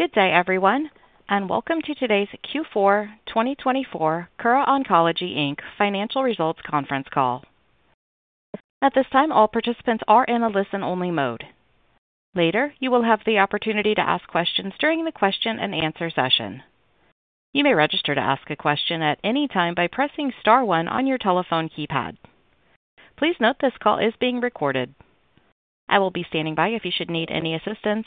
Good day, everyone, and welcome to today's Q4 2024 Kura Oncology Inc financial results conference call. At this time, all participants are in a listen-only mode. Later, you will have the opportunity to ask questions during the question-and-answer session. You may register to ask a question at any time by pressing star one on your telephone keypad. Please note this call is being recorded. I will be standing by if you should need any assistance.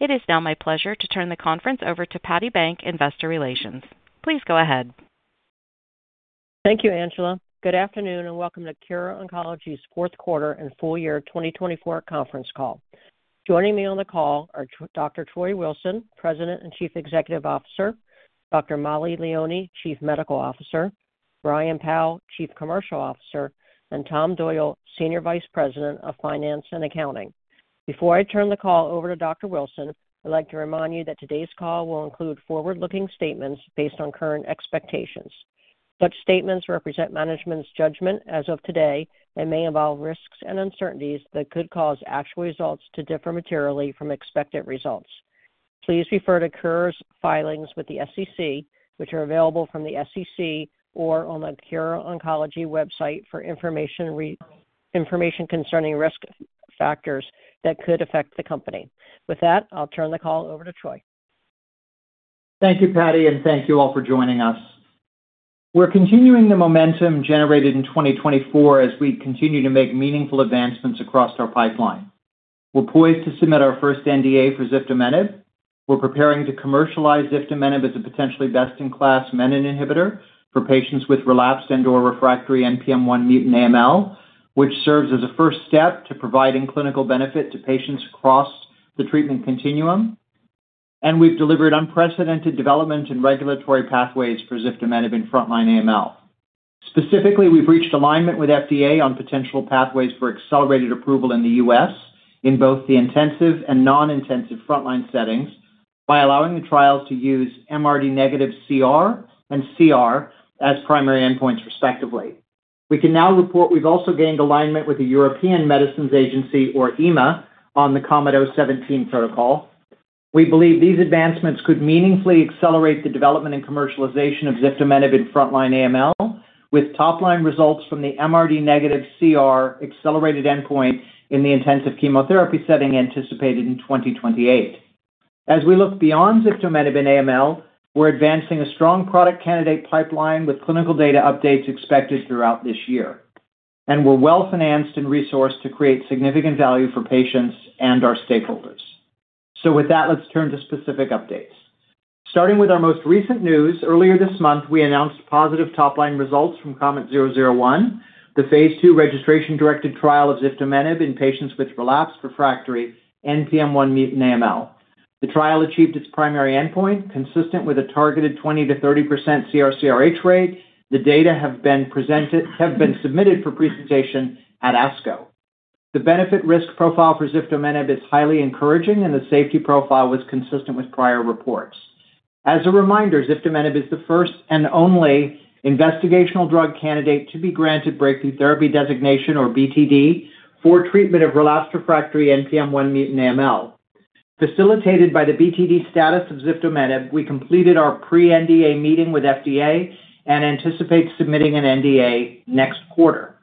It is now my pleasure to turn the conference over to Patti Bank, investor relations. Please go ahead. Thank you, Angela. Good afternoon and welcome to Kura Oncology's fourth quarter and full year 2024 conference call. Joining me on the call are Dr. Troy Wilson, President and Chief Executive Officer, Dr. Mollie Leoni, Chief Medical Officer, Brian Powell, Chief Commercial Officer, and Tom Doyle, Senior Vice President of Finance and Accounting. Before I turn the call over to Dr. Wilson, I'd like to remind you that today's call will include forward-looking statements based on current expectations. Such statements represent management's judgment as of today and may involve risks and uncertainties that could cause actual results to differ materially from expected results. Please refer to Kura's filings with the SEC, which are available from the SEC or on the Kura Oncology website for information concerning risk factors that could affect the company. With that, I'll turn the call over to Troy. Thank you, Patti, and thank you all for joining us. We're continuing the momentum generated in 2024 as we continue to make meaningful advancements across our pipeline. We're poised to submit our first NDA for ziftomenib. We're preparing to commercialize ziftomenib as a potentially best-in-class menin inhibitor for patients with relapsed and/or refractory NPM1 mutant AML, which serves as a first step to providing clinical benefit to patients across the treatment continuum. And we've delivered unprecedented development and regulatory pathways for ziftomenib in frontline AML. Specifically, we've reached alignment with FDA on potential pathways for accelerated approval in the U.S. in both the intensive and non-intensive frontline settings by allowing the trials to use MRD-negative CR and CR as primary endpoints, respectively. We can now report we've also gained alignment with the European Medicines Agency, or EMA, on the KOMET-017 protocol. We believe these advancements could meaningfully accelerate the development and commercialization of ziftomenib in frontline AML, with top-line results from the MRD-negative CR accelerated endpoint in the intensive chemotherapy setting anticipated in 2028. As we look beyond ziftomenib in AML, we're advancing a strong product candidate pipeline with clinical data updates expected throughout this year. And we're well financed and resourced to create significant value for patients and our stakeholders. So with that, let's turn to specific updates. Starting with our most recent news, earlier this month, we announced positive top-line results from KOMET-001, Phase II registration-directed trial of ziftomenib in patients with relapsed refractory NPM1 mutant AML. The trial achieved its primary endpoint, consistent with a targeted 20%-30% CR/CRh rate. The data have been submitted for presentation at ASCO. The benefit-risk profile for ziftomenib is highly encouraging, and the safety profile was consistent with prior reports. As a reminder, ziftomenib is the first and only investigational drug candidate to be granted breakthrough therapy designation, or BTD, for treatment of relapsed refractory NPM1 mutant AML. Facilitated by the BTD status of ziftomenib, we completed our pre-NDA meeting with FDA and anticipate submitting an NDA next quarter.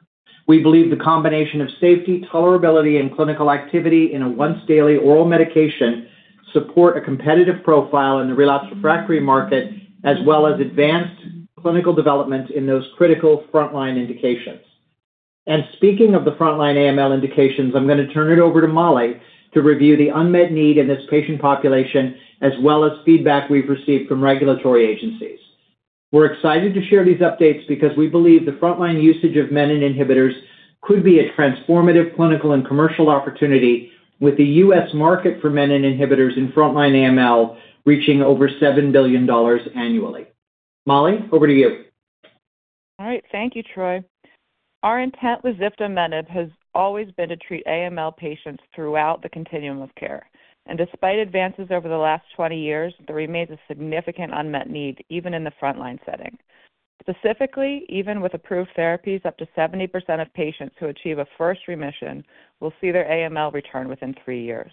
We believe the combination of safety, tolerability, and clinical activity in a once-daily oral medication supports a competitive profile in the relapsed refractory market, as well as advanced clinical development in those critical frontline indications. And speaking of the frontline AML indications, I'm going to turn it over to Mollie to review the unmet need in this patient population, as well as feedback we've received from regulatory agencies. We're excited to share these updates because we believe the frontline usage of menin inhibitors could be a transformative clinical and commercial opportunity, with the U.S. market for menin inhibitors in frontline AML reaching over $7 billion annually. Mollie, over to you. All right. Thank you, Troy. Our intent with ziftomenib has always been to treat AML patients throughout the continuum of care, and despite advances over the last 20 years, there remains a significant unmet need, even in the frontline setting. Specifically, even with approved therapies, up to 70% of patients who achieve a first remission will see their AML return within three years.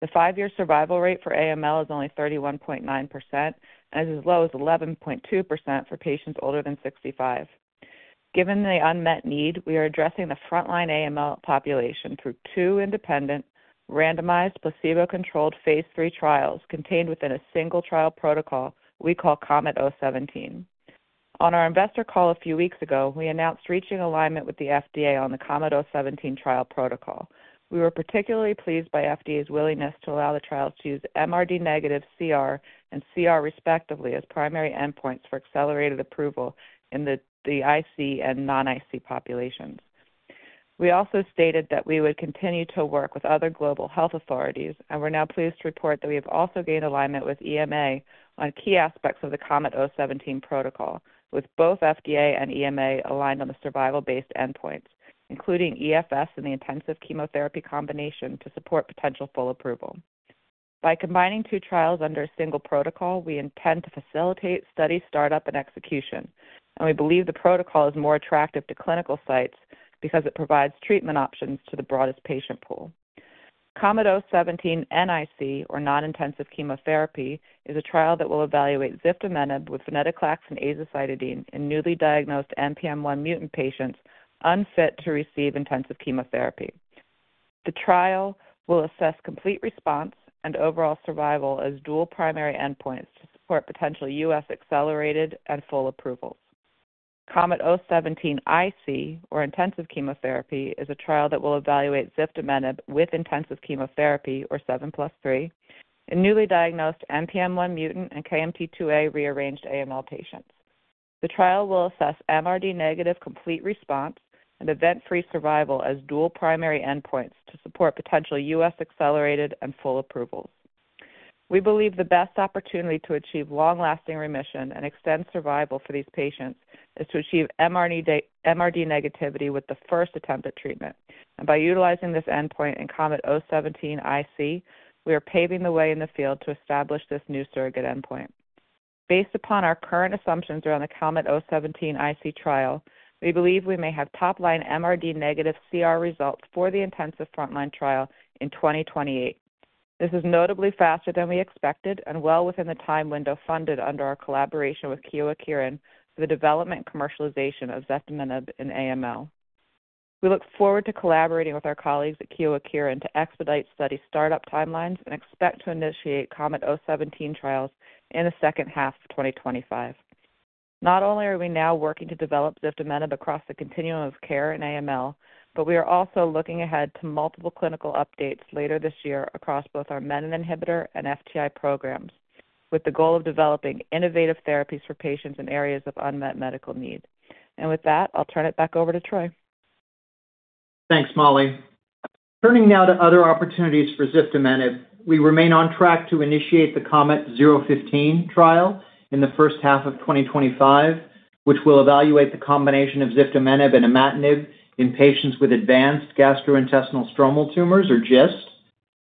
The five-year survival rate for AML is only 31.9%, and as low as 11.2% for patients older than 65. Given the unmet need, we are addressing the frontline AML population through two independent, Phase III trials contained within a single trial protocol we call KOMET-017. On our investor call a few weeks ago, we announced reaching alignment with the FDA on the KOMET-017 trial protocol. We were particularly pleased by FDA's willingness to allow the trials to use MRD-negative CR and CR, respectively, as primary endpoints for accelerated approval in the IC and non-IC populations. We also stated that we would continue to work with other global health authorities, and we're now pleased to report that we have also gained alignment with EMA on key aspects of the KOMET-017 protocol, with both FDA and EMA aligned on the survival-based endpoints, including EFS and the intensive chemotherapy combination to support potential full approval. By combining two trials under a single protocol, we intend to facilitate study startup and execution, and we believe the protocol is more attractive to clinical sites because it provides treatment options to the broadest patient pool. KOMET-017 NIC, or non-intensive chemotherapy, is a trial that will evaluate ziftomenib with venetoclax and azacitidine in newly diagnosed NPM1 mutant patients unfit to receive intensive chemotherapy. The trial will assess complete response and overall survival as dual primary endpoints to support potential U.S. accelerated and full approvals. KOMET-017 IC, or intensive chemotherapy, is a trial that will evaluate ziftomenib with intensive chemotherapy, or 7+3, in newly diagnosed NPM1 mutant and KMT2A rearranged AML patients. The trial will assess MRD-negative complete response and event-free survival as dual primary endpoints to support potential U.S. accelerated and full approvals. We believe the best opportunity to achieve long-lasting remission and extend survival for these patients is to achieve MRD negativity with the first attempt at treatment. By utilizing this endpoint in KOMET-017 IC, we are paving the way in the field to establish this new surrogate endpoint. Based upon our current assumptions around the KOMET-017 IC trial, we believe we may have top-line MRD-negative CR results for the intensive frontline trial in 2028. This is notably faster than we expected and well within the time window funded under our collaboration with Kyowa Kirin for the development and commercialization of ziftomenib in AML. We look forward to collaborating with our colleagues at Kyowa Kirin to expedite study startup timelines and expect to initiate KOMET-017 trials in the second half of 2025. Not only are we now working to develop ziftomenib across the continuum of care in AML, but we are also looking ahead to multiple clinical updates later this year across both our menin inhibitor and FTI programs, with the goal of developing innovative therapies for patients in areas of unmet medical need. And with that, I'll turn it back over to Troy. Thanks, Mollie. Turning now to other opportunities for ziftomenib, we remain on track to initiate the KOMET-015 trial in the first half of 2025, which will evaluate the combination of ziftomenib and imatinib in patients with advanced gastrointestinal stromal tumors, or GIST.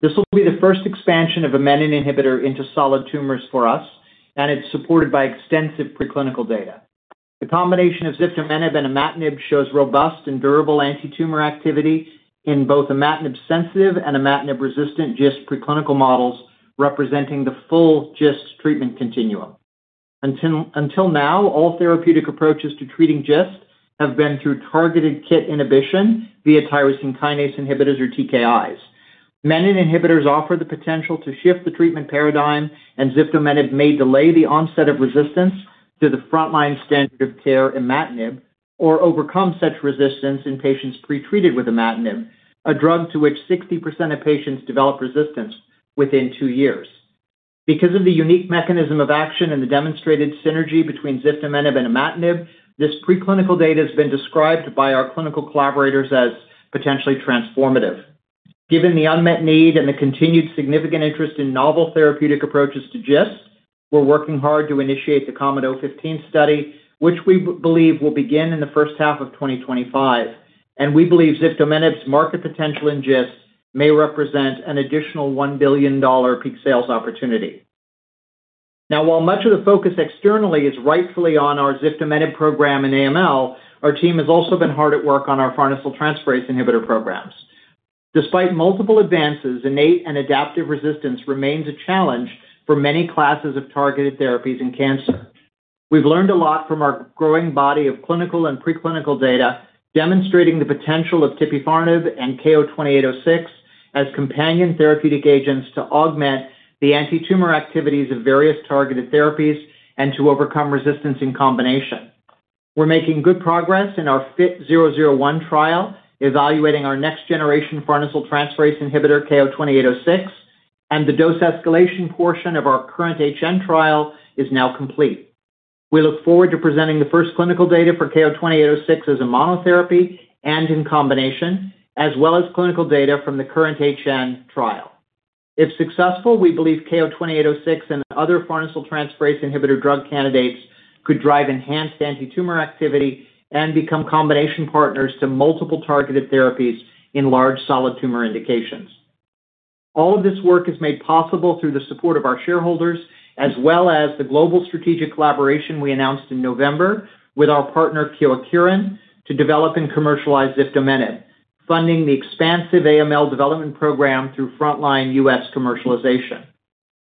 This will be the first expansion of a menin inhibitor into solid tumors for us, and it's supported by extensive preclinical data. The combination of ziftomenib and imatinib shows robust and durable anti-tumor activity in both imatinib-sensitive and imatinib-resistant GIST preclinical models, representing the full GIST treatment continuum. Until now, all therapeutic approaches to treating GIST have been through targeted KIT inhibition via tyrosine kinase inhibitors, or TKIs. Menin inhibitors offer the potential to shift the treatment paradigm, and ziftomenib may delay the onset of resistance to the frontline standard of care imatinib or overcome such resistance in patients pretreated with imatinib, a drug to which 60% of patients develop resistance within two years. Because of the unique mechanism of action and the demonstrated synergy between ziftomenib and imatinib, this preclinical data has been described by our clinical collaborators as potentially transformative. Given the unmet need and the continued significant interest in novel therapeutic approaches to GIST, we're working hard to initiate the KOMET-015 study, which we believe will begin in the first half of 2025. We believe ziftomenib's market potential in GIST may represent an additional $1 billion peak sales opportunity. Now, while much of the focus externally is rightfully on our ziftomenib program in AML, our team has also been hard at work on our farnesyltransferase inhibitor programs. Despite multiple advances, innate and adaptive resistance remains a challenge for many classes of targeted therapies in cancer. We've learned a lot from our growing body of clinical and preclinical data, demonstrating the potential of tipifarnib and KO-2806 as companion therapeutic agents to augment the anti-tumor activities of various targeted therapies and to overcome resistance in combination. We're making good progress in our FIT-001 trial, evaluating our next-generation farnesyltransferase inhibitor, KO-2806, and the dose escalation portion of our KURRENT-HN trial is now complete. We look forward to presenting the first clinical data for KO-2806 as a monotherapy and in combination, as well as clinical data from the KURRENT-HN trial. If successful, we believe KO-2806 and other farnesyltransferase inhibitor drug candidates could drive enhanced anti-tumor activity and become combination partners to multiple targeted therapies in large solid tumor indications. All of this work is made possible through the support of our shareholders, as well as the global strategic collaboration we announced in November with our partner, Kyowa Kirin, to develop and commercialize ziftomenib, funding the expansive AML development program through frontline U.S. commercialization.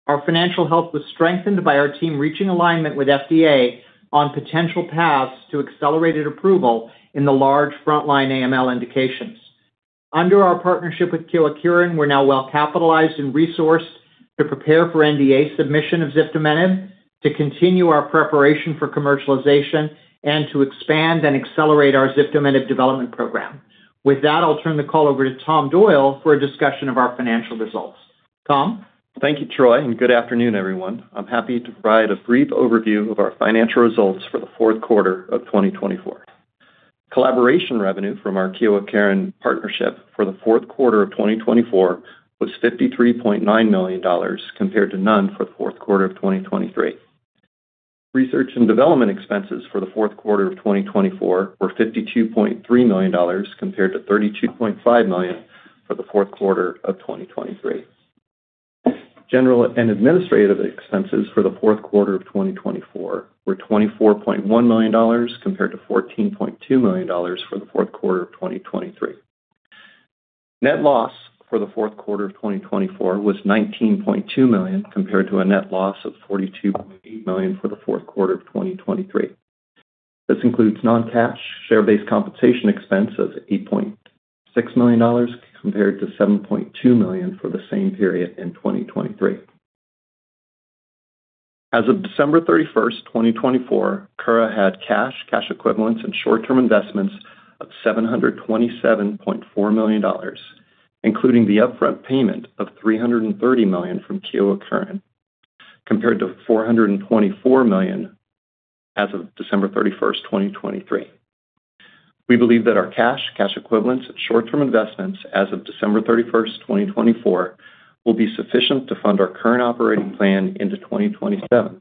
Our financial health was strengthened by our team reaching alignment with FDA on potential paths to accelerated approval in the large frontline AML indications. Under our partnership with Kyowa Kirin, we're now well capitalized and resourced to prepare for NDA submission of ziftomenib, to continue our preparation for commercialization, and to expand and accelerate our ziftomenib development program. With that, I'll turn the call over to Tom Doyle for a discussion of our financial results. Tom? Thank you, Troy, and good afternoon, everyone. I'm happy to provide a brief overview of our financial results for the fourth quarter of 2024. Collaboration revenue from our Kyowa Kirin partnership for the fourth quarter of 2024 was $53.9 million, compared to none for the fourth quarter of 2023. Research and development expenses for the fourth quarter of 2024 were $52.3 million, compared to $32.5 million for the fourth quarter of 2023. General and administrative expenses for the fourth quarter of 2024 were $24.1 million, compared to $14.2 million for the fourth quarter of 2023. Net loss for the fourth quarter of 2024 was $19.2 million, compared to a net loss of $42.8 million for the fourth quarter of 2023. This includes non-cash share-based compensation expense of $8.6 million, compared to $7.2 million for the same period in 2023. As of December 31, 2024, Kura had cash, cash equivalents, and short-term investments of $727.4 million, including the upfront payment of $330 million from Kyowa Kirin, compared to $424 million as of December 31, 2023. We believe that our cash, cash equivalents, and short-term investments as of December 31, 2024, will be sufficient to fund our current operating plan into 2027,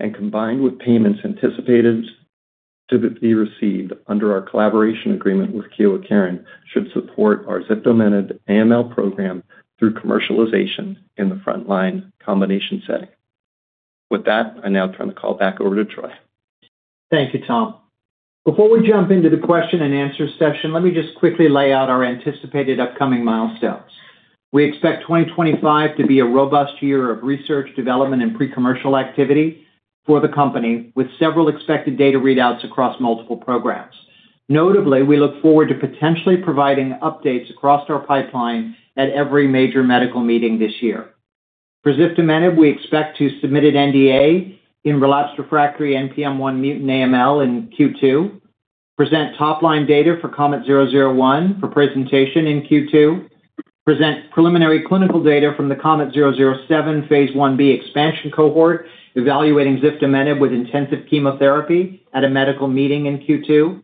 and combined with payments anticipated to be received under our collaboration agreement with Kyowa Kirin, should support our ziftomenib AML program through commercialization in the frontline combination setting. With that, I now turn the call back over to Troy. Thank you, Tom. Before we jump into the question and answer session, let me just quickly lay out our anticipated upcoming milestones. We expect 2025 to be a robust year of research, development, and pre-commercial activity for the company, with several expected data readouts across multiple programs. Notably, we look forward to potentially providing updates across our pipeline at every major medical meeting this year. For ziftomenib, we expect to submit an NDA in relapsed refractory NPM1 mutant AML in Q2, present top-line data for KOMET-001 for presentation in Q2, present preliminary clinical data from the KOMET-017 phase 1b expansion cohort, evaluating ziftomenib with intensive chemotherapy at a medical meeting in Q2,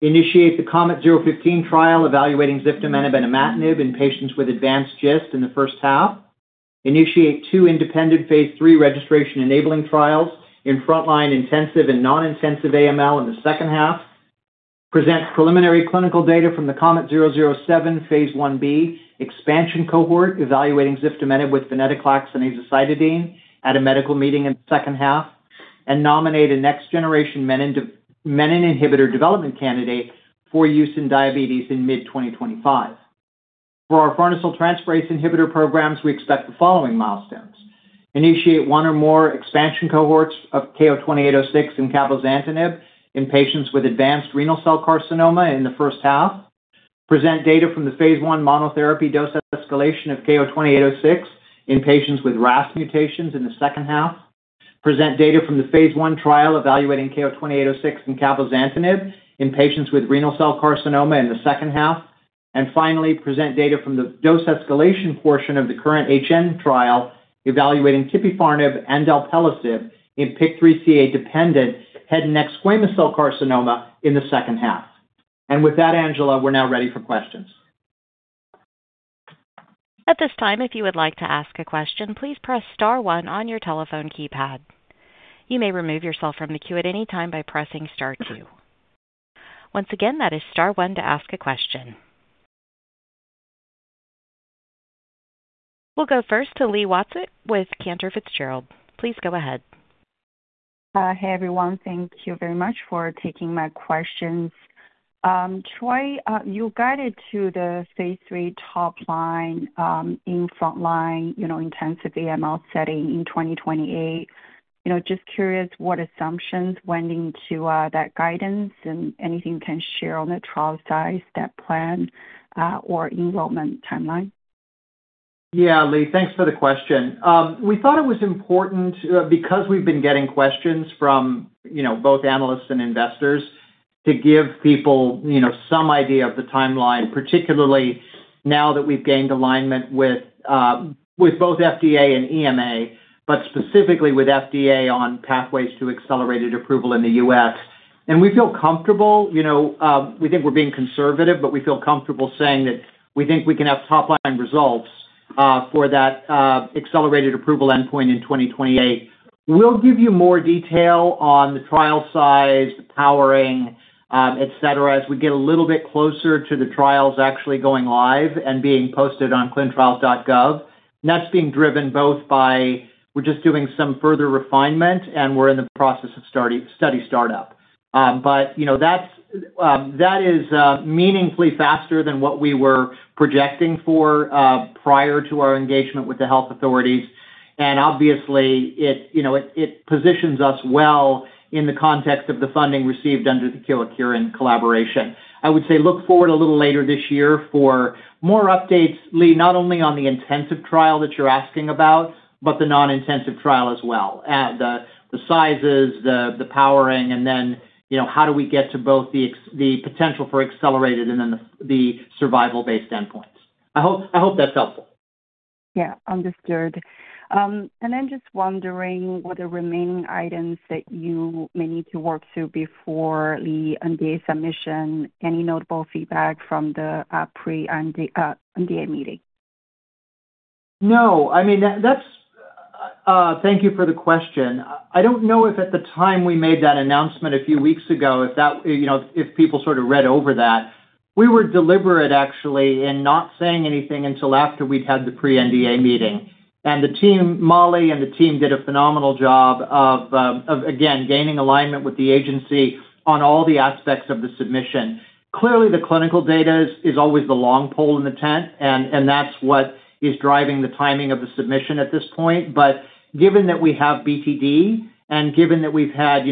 initiate the KOMET-015 trial evaluating ziftomenib and imatinib in patients with advanced GIST in the first half, initiate Phase III registration-enabling trials in frontline intensive and non-intensive AML in the second half, present preliminary clinical data from the KOMET-017 phase 1b expansion cohort evaluating ziftomenib with venetoclax and azacitidine at a medical meeting in the second half, and nominate a next-generation menin inhibitor development candidate for use in diabetes in mid-2025. For our farnesyltransferase inhibitor programs, we expect the following milestones: initiate one or more expansion cohorts of KO-2806 and cabozantinib in patients with advanced renal cell carcinoma in the first half, present data from the Phase I monotherapy dose escalation of KO-2806 in patients with RAS mutations in the second half, present data from the Phase I trial evaluating KO-2806 and cabozantinib in patients with renal cell carcinoma in the second half, and finally, present data from the dose escalation portion of the KURRENT-HN trial evaluating tipifarnib and alpelisib in PIK3CA-dependent head and neck squamous cell carcinoma in the second half. And with that, Angela, we're now ready for questions. At this time, if you would like to ask a question, please press star one on your telephone keypad. You may remove yourself from the queue at any time by pressing star two. Once again, that is star one to ask a question. We'll go first to Li Watsek with Cantor Fitzgerald. Please go ahead. Hey, everyone. Thank you very much for taking my questions. Troy, you guided Phase III top line in frontline intensive AML setting in 2028. Just curious what assumptions went into that guidance and anything you can share on the trial size, stat plan, or enrollment timeline. Yeah, Lee, thanks for the question. We thought it was important because we've been getting questions from both analysts and investors to give people some idea of the timeline, particularly now that we've gained alignment with both FDA and EMA, but specifically with FDA on pathways to accelerated approval in the U.S., and we feel comfortable. We think we're being conservative, but we feel comfortable saying that we think we can have top-line results for that accelerated approval endpoint in 2028. We'll give you more detail on the trial size, the powering, etc., as we get a little bit closer to the trials actually going live and being posted on ClinicalTrials.gov, and that's being driven both by we're just doing some further refinement, and we're in the process of study startup, but that is meaningfully faster than what we were projecting for prior to our engagement with the health authorities. And obviously, it positions us well in the context of the funding received under the Kyowa Kirin collaboration. I would say look forward a little later this year for more updates, Lee, not only on the intensive trial that you're asking about, but the non-intensive trial as well, the sizes, the powering, and then how do we get to both the potential for accelerated and then the survival-based endpoints. I hope that's helpful. Yeah, understood, and then just wondering what are remaining items that you may need to work through before the NDA submission? Any notable feedback from the pre-NDA meeting? No. I mean, thank you for the question. I don't know if at the time we made that announcement a few weeks ago, if people sort of read over that. We were deliberate, actually, in not saying anything until after we'd had the pre-NDA meeting, and Mollie and the team did a phenomenal job of, again, gaining alignment with the agency on all the aspects of the submission. Clearly, the clinical data is always the long pole in the tent, and that's what is driving the timing of the submission at this point. But given that we have BTD and given that we've had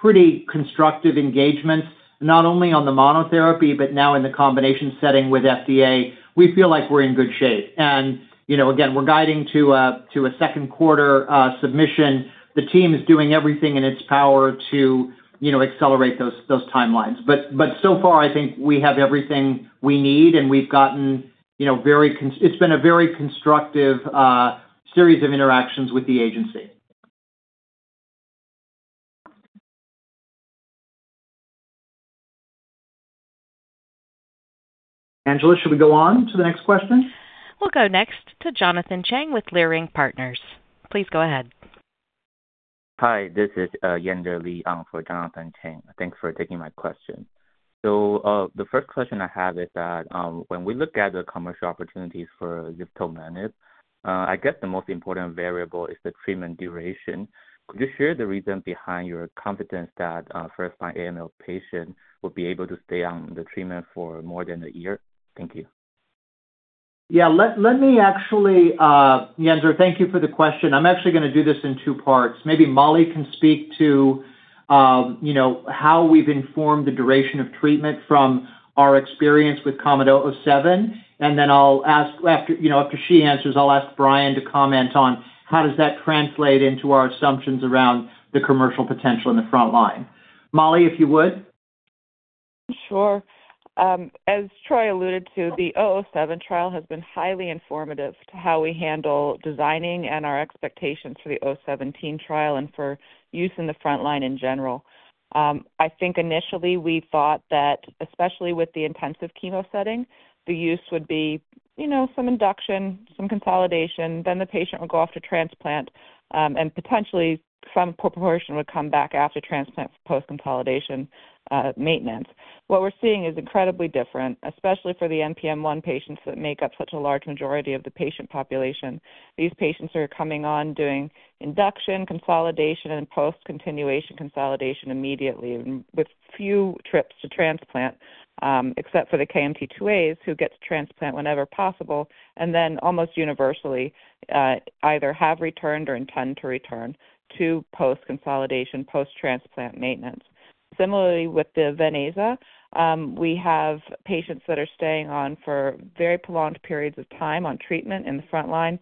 pretty constructive engagements, not only on the monotherapy, but now in the combination setting with FDA, we feel like we're in good shape, and again, we're guiding to a second quarter submission. The team is doing everything in its power to accelerate those timelines. But so far, I think we have everything we need, and it's been a very constructive series of interactions with the agency. Angela, should we go on to the next question? We'll go next to Jonathan Chang with Leerink Partners. Please go ahead. Hi, this is Yuanzhi Li for Jonathan Chang. Thanks for taking my question. So the first question I have is that when we look at the commercial opportunities for ziftomenib, I guess the most important variable is the treatment duration. Could you share the reason behind your confidence that first-line AML patients will be able to stay on the treatment for more than a year? Thank you. Yeah, let me actually, Yuanzhi, thank you for the question. I'm actually going to do this in two parts. Maybe Mollie can speak to how we've informed the duration of treatment from our experience with KOMET-017, and then I'll ask, after she answers, I'll ask Brian to comment on how does that translate into our assumptions around the commercial potential in the frontline. Mollie, if you would. Sure. As Troy alluded to, the 007 trial has been highly informative to how we handle designing and our expectations for the 017 trial and for use in the frontline in general. I think initially we thought that, especially with the intensive chemo setting, the use would be some induction, some consolidation, then the patient would go off to transplant, and potentially some proportion would come back after transplant for post-consolidation maintenance. What we're seeing is incredibly different, especially for the NPM1 patients that make up such a large majority of the patient population. These patients are coming on doing induction, consolidation, and post-continuation consolidation immediately, with few trips to transplant, except for the KMT2As who get to transplant whenever possible, and then almost universally either have returned or intend to return to post-consolidation, post-transplant maintenance. Similarly, with the ziftomenib, we have patients that are staying on for very prolonged periods of time on treatment in the frontline,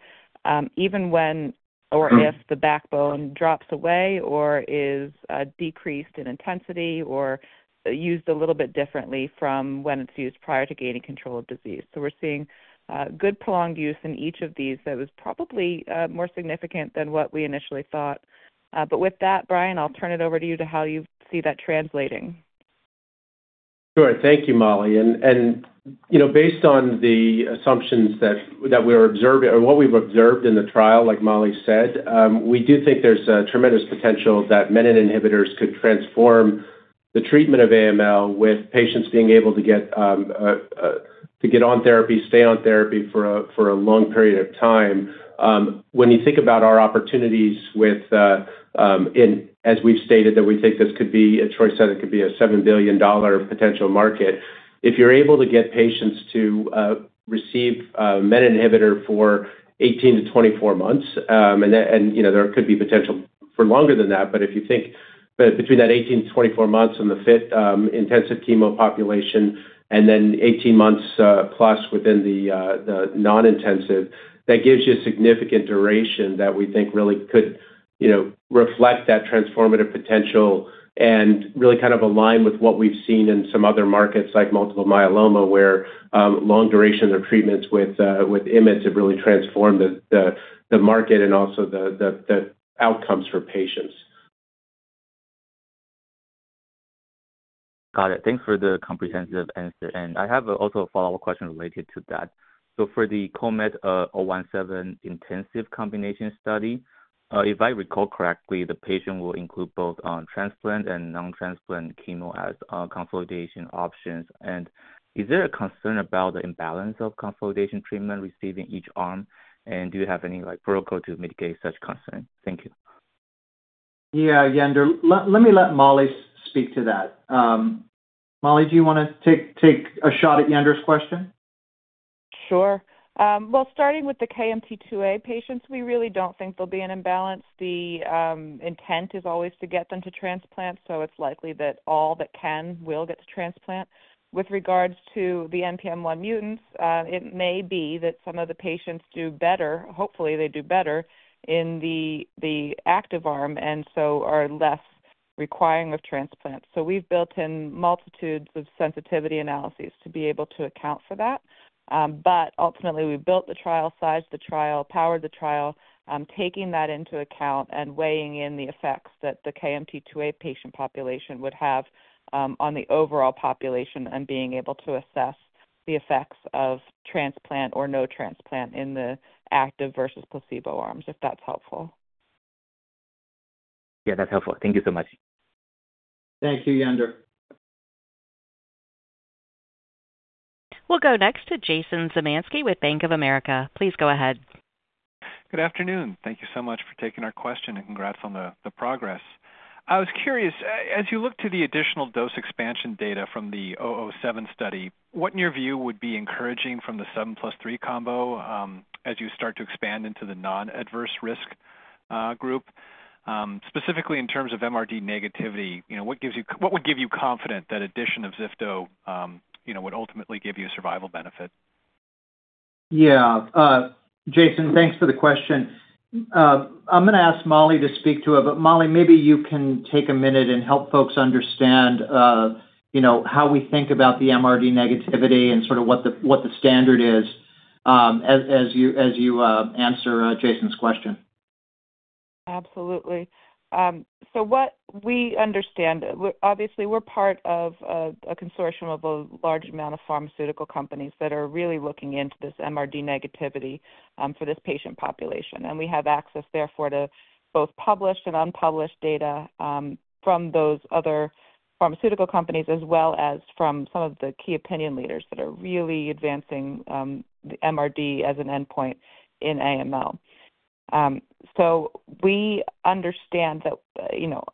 even when or if the backbone drops away or is decreased in intensity or used a little bit differently from when it's used prior to gaining control of disease. So we're seeing good prolonged use in each of these that was probably more significant than what we initially thought. But with that, Brian, I'll turn it over to you to how you see that translating. Sure. Thank you, Mollie. And based on the assumptions that we're observing or what we've observed in the trial, like Mollie said, we do think there's a tremendous potential that menin inhibitors could transform the treatment of AML with patients being able to get on therapy, stay on therapy for a long period of time. When you think about our opportunities with, as we've stated, that we think this could be a choice that it could be a $7 billion potential market, if you're able to get patients to receive a menin inhibitor for 18-24 months, and there could be potential for longer than that, but if you think between that 18-24 months and the fit intensive chemo population, and then 18 months+ within the non-intensive, that gives you a significant duration that we think really could reflect that transformative potential and really kind of align with what we've seen in some other markets like multiple myeloma, where long durations of treatments with IMiD have really transformed the market and also the outcomes for patients. Got it. Thanks for the comprehensive answer. And I have also a follow-up question related to that. So for the KOMET-017 intensive combination study, if I recall correctly, the patients will include both transplant and non-transplant chemo as consolidation options. And is there a concern about the imbalance of consolidation treatments received in each arm? And do you have any protocol to mitigate such concern? Thank you. Yeah, Yen-der, let me let Mollie speak to that. Mollie, do you want to take a shot at Yen-der's question? Sure. Well, starting with the KMT2A patients, we really don't think there'll be an imbalance. The intent is always to get them to transplant, so it's likely that all that can will get to transplant. With regards to the NPM1 mutants, it may be that some of the patients do better, hopefully, they do better, in the active arm, and so are less requiring of transplant. So we've built in multitudes of sensitivity analyses to be able to account for that. But ultimately, we've built the trial size, the trial power, the trial, taking that into account and weighing in the effects that the KMT2A patient population would have on the overall population and being able to assess the effects of transplant or no transplant in the active versus placebo arms, if that's helpful. Yeah, that's helpful. Thank you so much. Thank you, Yan-der. We'll go next to Jason Zemansky with Bank of America. Please go ahead. Good afternoon. Thank you so much for taking our question and congrats on the progress. I was curious, as you look to the additional dose expansion data from the 007 study, what, in your view, would be encouraging from the 7+3 combo as you start to expand into the non-adverse risk group? Specifically, in terms of MRD negativity, what would give you confidence that addition of ziftomenib would ultimately give you a survival benefit? Yeah. Jason, thanks for the question. I'm going to ask Mollie to speak to it, but Mollie, maybe you can take a minute and help folks understand how we think about the MRD negativity and sort of what the standard is as you answer Jason's question. Absolutely. So what we understand, obviously, we're part of a consortium of a large amount of pharmaceutical companies that are really looking into this MRD negativity for this patient population. And we have access, therefore, to both published and unpublished data from those other pharmaceutical companies as well as from some of the key opinion leaders that are really advancing the MRD as an endpoint in AML. So we understand that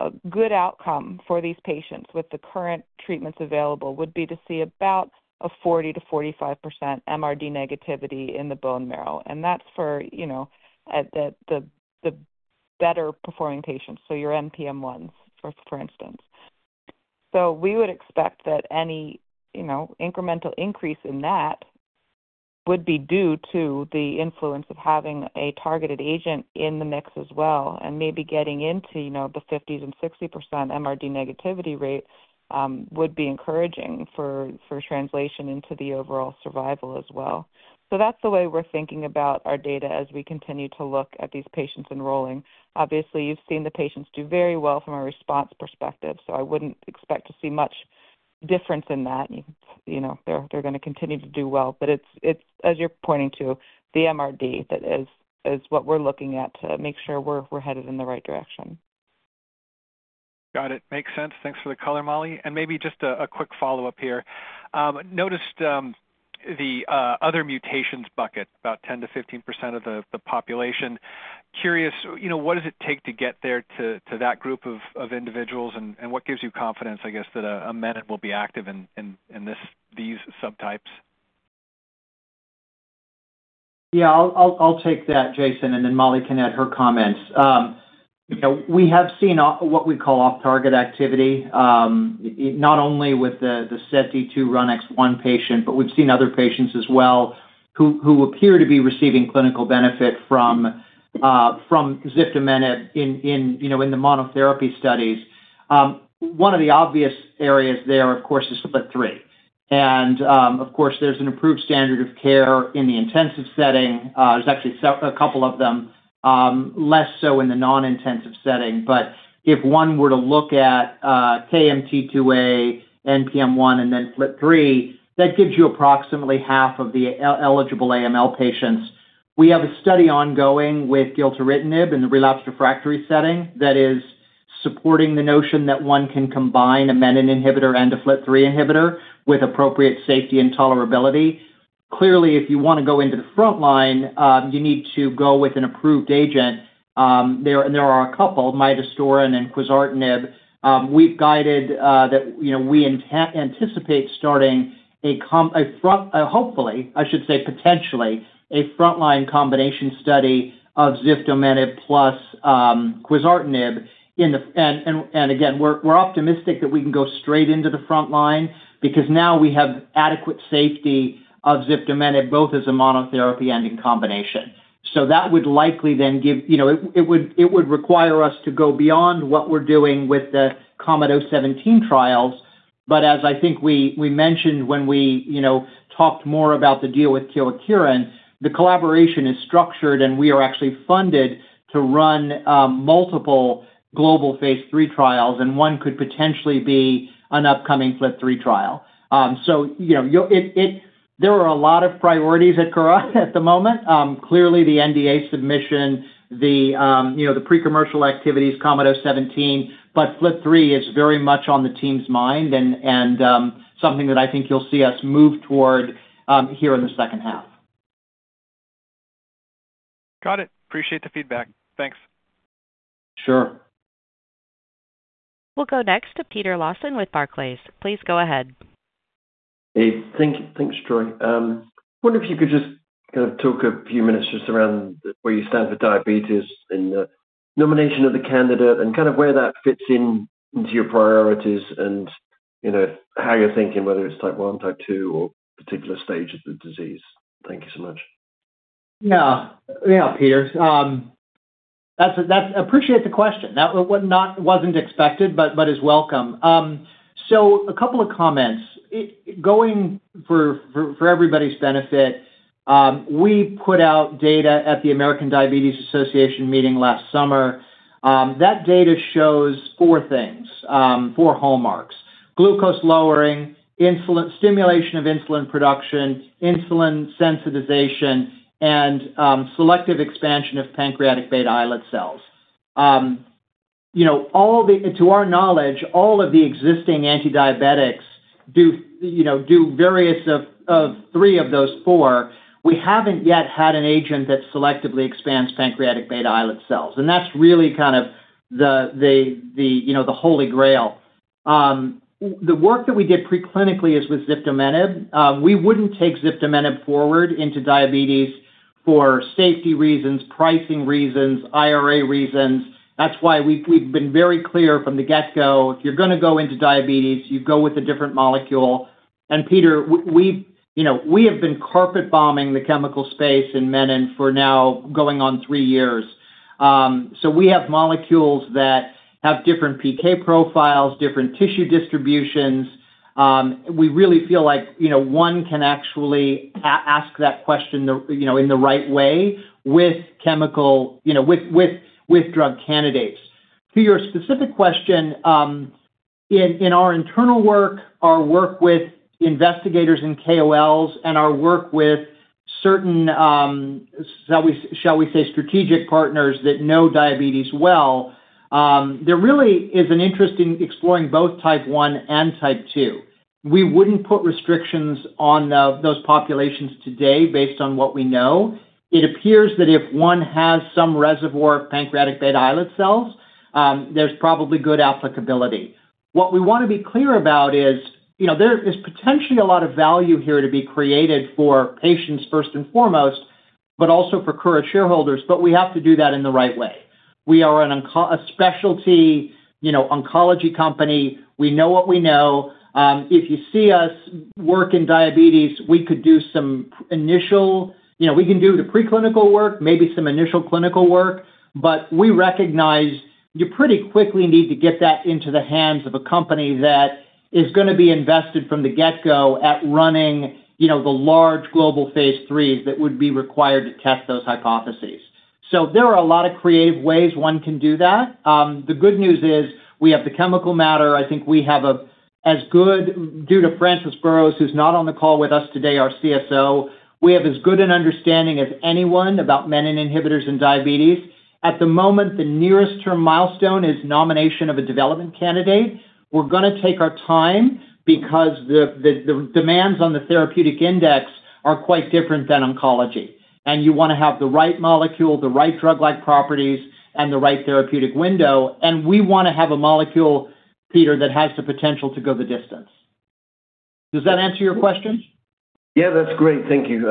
a good outcome for these patients with the current treatments available would be to see about 40%-45% MRD negativity in the bone marrow. And that's for the better-performing patients, so your NPM1s, for instance. So we would expect that any incremental increase in that would be due to the influence of having a targeted agent in the mix as well. Maybe getting into the 50% and 60% MRD negativity rate would be encouraging for translation into the overall survival as well. So that's the way we're thinking about our data as we continue to look at these patients enrolling. Obviously, you've seen the patients do very well from a response perspective, so I wouldn't expect to see much difference in that. They're going to continue to do well. But it's, as you're pointing to, the MRD that is what we're looking at to make sure we're headed in the right direction. Got it. Makes sense. Thanks for the color, Mollie. And maybe just a quick follow-up here. Noticed the other mutations bucket, about 10%-15% of the population. Curious, what does it take to get there to that group of individuals, and what gives you confidence, I guess, that a menin will be active in these subtypes? Yeah, I'll take that, Jason, and then Mollie can add her comments. We have seen what we call off-target activity, not only with the SETD2-RUNX1 patient, but we've seen other patients as well who appear to be receiving clinical benefit from ziftomenib in the monotherapy studies. One of the obvious areas there, of course, is FLT3. And of course, there's an improved standard of care in the intensive setting. There's actually a couple of them, less so in the non-intensive setting. But if one were to look at KMT2A, NPM1, and then FLT3, that gives you approximately half of the eligible AML patients. We have a study ongoing with gilteritinib in the relapse refractory setting that is supporting the notion that one can combine a menin inhibitor and a FLT3 inhibitor with appropriate safety and tolerability. Clearly, if you want to go into the frontline, you need to go with an approved agent. There are a couple, midostaurin and quizartinib. We've guided that we anticipate starting a hopefully, I should say potentially, a frontline combination study of ziftomenib plus quizartinib. And again, we're optimistic that we can go straight into the frontline because now we have adequate safety of ziftomenib both as a monotherapy and in combination. So that would likely then give it would require us to go beyond what we're doing with the KOMET-017 trials. But as I think we mentioned when we talked more about the deal with Kyowa Kirin, the collaboration is structured, and we are actually funded to run Phase III trials, and one could potentially be Phase III trial. so there are a lot of priorities at the moment. Clearly, the NDA submission, the pre-commercial activities, Phase III is very much on the team's mind and something that I think you'll see us move toward here in the second half. Got it. Appreciate the feedback. Thanks. Sure. We'll go next to Peter Lawson with Barclays. Please go ahead. Hey. Thanks, Troy. I wonder if you could just kind of talk a few minutes just around where you stand for diabetes and the nomination of the candidate and kind of where that fits into your priorities and how you're thinking, whether it's type 1, type 2, or particular stage of the disease? Thank you so much. Yeah. Yeah, Peter. Appreciate the question. It wasn't expected, but is welcome. So a couple of comments. Going for everybody's benefit, we put out data at the American Diabetes Association meeting last summer. That data shows four things, four hallmarks: glucose lowering, stimulation of insulin production, insulin sensitization, and selective expansion of pancreatic beta islet cells. To our knowledge, all of the existing antidiabetics do various of three of those four. We haven't yet had an agent that selectively expands pancreatic beta islet cells. And that's really kind of the Holy Grail. The work that we did preclinically is with ziftomenib. We wouldn't take ziftomenib forward into diabetes for safety reasons, pricing reasons, IRA reasons. That's why we've been very clear from the get-go. If you're going to go into diabetes, you go with a different molecule. And, Peter, we have been carpet bombing the chemical space in menin for now going on three years. So we have molecules that have different PK profiles, different tissue distributions. We really feel like one can actually ask that question in the right way with chemical drug candidates. To your specific question, in our internal work, our work with investigators and KOLs, and our work with certain, shall we say, strategic partners that know diabetes well, there really is an interest in exploring both type 1 and type 2. We wouldn't put restrictions on those populations today based on what we know. It appears that if one has some reservoir of pancreatic beta islet cells, there's probably good applicability. What we want to be clear about is there is potentially a lot of value here to be created for patients first and foremost, but also for current shareholders, but we have to do that in the right way. We are a specialty oncology company. We know what we know. If you see us work in diabetes, we could do some initial work, we can do the preclinical work, maybe some initial clinical work, but we recognize you pretty quickly need to get that into the hands of a company that is going to be invested from the get-go at running the Phase II is that would be required to test those hypotheses. So there are a lot of creative ways one can do that. The good news is we have the chemical matter. I think we have as good an understanding due to Francis Burrows, who's not on the call with us today, our CSO. We have as good an understanding as anyone about menin inhibitors in diabetes. At the moment, the nearest-term milestone is nomination of a development candidate. We're going to take our time because the demands on the therapeutic index are quite different than oncology, and you want to have the right molecule, the right drug-like properties, and the right therapeutic window, and we want to have a molecule, Peter, that has the potential to go the distance. Does that answer your question? Yeah, that's great. Thank you.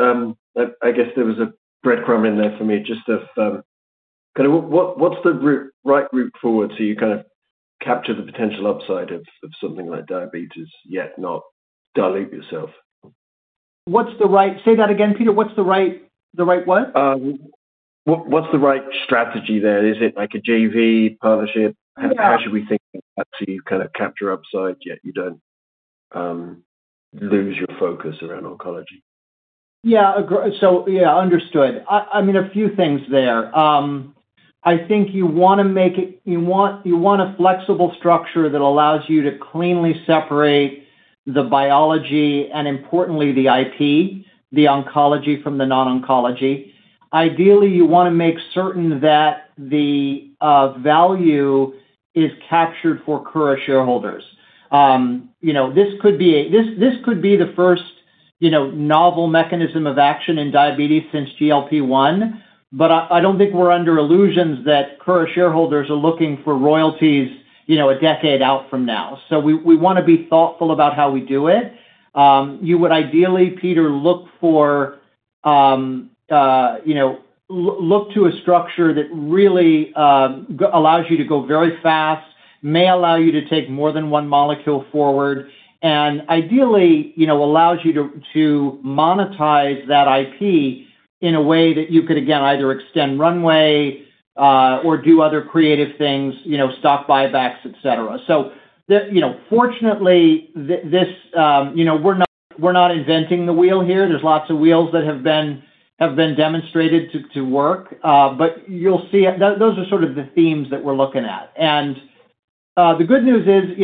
I guess there was a breadcrumb in there for me just of kind of what's the right route forward so you kind of capture the potential upside of something like diabetes yet not dilute yourself? Say that again, Peter. What's the right what? What's the right strategy there? Is it like a JV partnership? How should we think about it so you kind of capture upside yet you don't lose your focus around oncology? Yeah. So yeah, understood. I mean, a few things there. I think you want a flexible structure that allows you to cleanly separate the biology and, importantly, the IP, the oncology from the non-oncology. Ideally, you want to make certain that the value is captured for current shareholders. This could be the first novel mechanism of action in diabetes since GLP-1, but I don't think we're under illusions that current shareholders are looking for royalties a decade out from now. We want to be thoughtful about how we do it. You would ideally, Peter, look to a structure that really allows you to go very fast, may allow you to take more than one molecule forward, and ideally allows you to monetize that IP in a way that you could, again, either extend runway or do other creative things, stock buybacks, etc. So fortunately, we're not inventing the wheel here. There's lots of wheels that have been demonstrated to work. But you'll see those are sort of the themes that we're looking at. And the good news is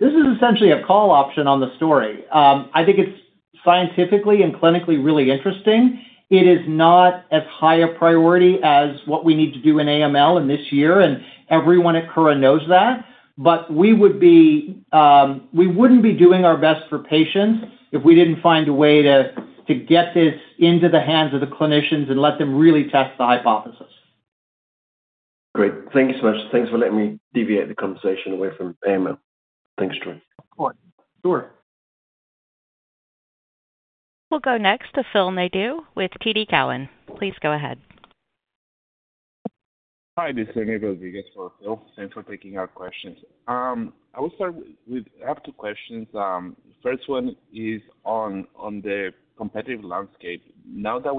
this is essentially a call option on the story. I think it's scientifically and clinically really interesting. It is not as high a priority as what we need to do in AML in this year, and everyone at Kura knows that. But we wouldn't be doing our best for patients if we didn't find a way to get this into the hands of the clinicians and let them really test the hypothesis. Great. Thank you so much. Thanks for letting me deviate the conversation away from AML. Thanks, Troy. Of course. Sure. We'll go next to Phil Nadeau with TD Cowen. Please go ahead. Hi, this is Nigam Ray for Phil. Thanks for taking our questions. I will start. I have two questions. The first one is on the competitive landscape. Now that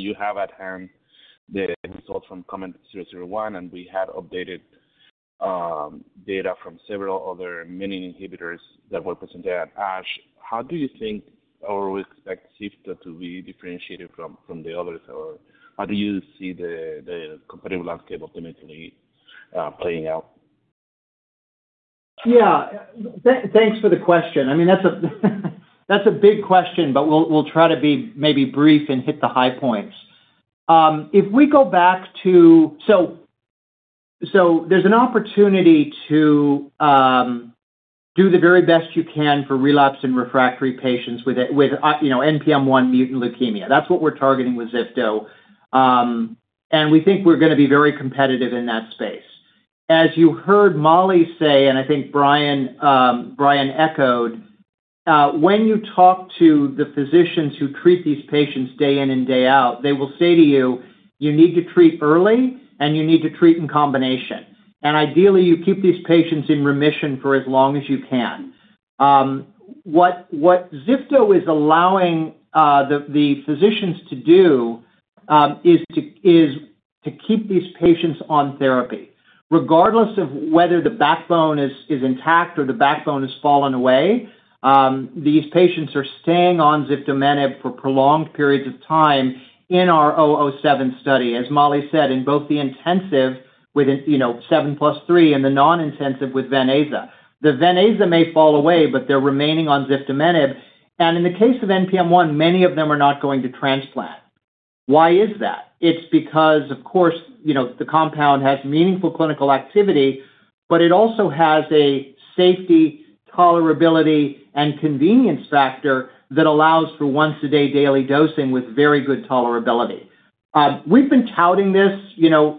you have at hand the results from KOMET-001, and we had updated data from several other menin inhibitors that were presented at ASH, how do you think or expect ziftomenib to be differentiated from the others? Or how do you see the competitive landscape ultimately playing out? Yeah. Thanks for the question. I mean, that's a big question, but we'll try to be maybe brief and hit the high points. If we go back to so there's an opportunity to do the very best you can for relapse and refractory patients with NPM1 mutant leukemia. That's what we're targeting with ziftomenib. And we think we're going to be very competitive in that space. As you heard Mollie say, and I think Brian echoed, when you talk to the physicians who treat these patients day in and day out, they will say to you, "You need to treat early, and you need to treat in combination." And ideally, you keep these patients in remission for as long as you can. What ziftomenib is allowing the physicians to do is to keep these patients on therapy. Regardless of whether the backbone is intact or the backbone has fallen away, these patients are staying on ziftomenib for prolonged periods of time in our KOMET-017 study, as Mollie said, in both the intensive with 7+3 and the non-intensive with venetoclax. The venetoclax may fall away, but they're remaining on ziftomenib, and in the case of NPM1, many of them are not going to transplant. Why is that? It's because, of course, the compound has meaningful clinical activity, but it also has a safety, tolerability, and convenience factor that allows for once-a-day daily dosing with very good tolerability. We've been touting this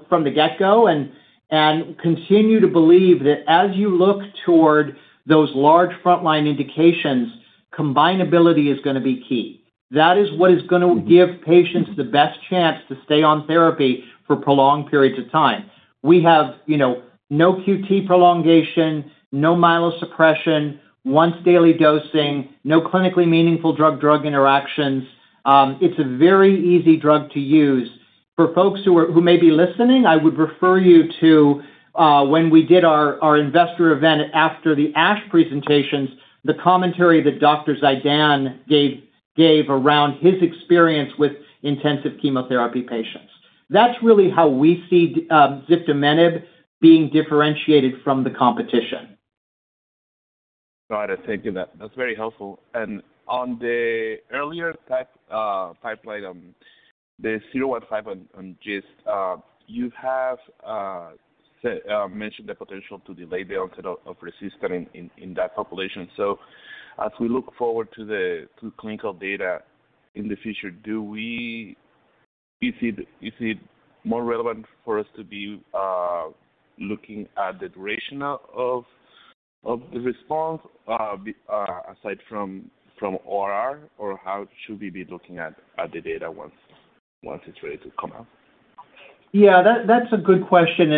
from the get-go and continue to believe that as you look toward those large frontline indications, combinability is going to be key. That is what is going to give patients the best chance to stay on therapy for prolonged periods of time. We have no QT prolongation, no myelosuppression, once-daily dosing, no clinically meaningful drug-drug interactions. It's a very easy drug to use. For folks who may be listening, I would refer you to when we did our investor event after the ASH presentations, the commentary that Dr. Zeidan gave around his experience with intensive chemotherapy patients. That's really how we see ziftomenib being differentiated from the competition. Got it. Thank you. That's very helpful. And on the earlier pipeline, the 015 on GIST, you have mentioned the potential to delay the onset of resistance in that population. So as we look forward to the clinical data in the future, is it more relevant for us to be looking at the duration of the response aside from ORR, or how should we be looking at the data once it's ready to come out? Yeah. That's a good question.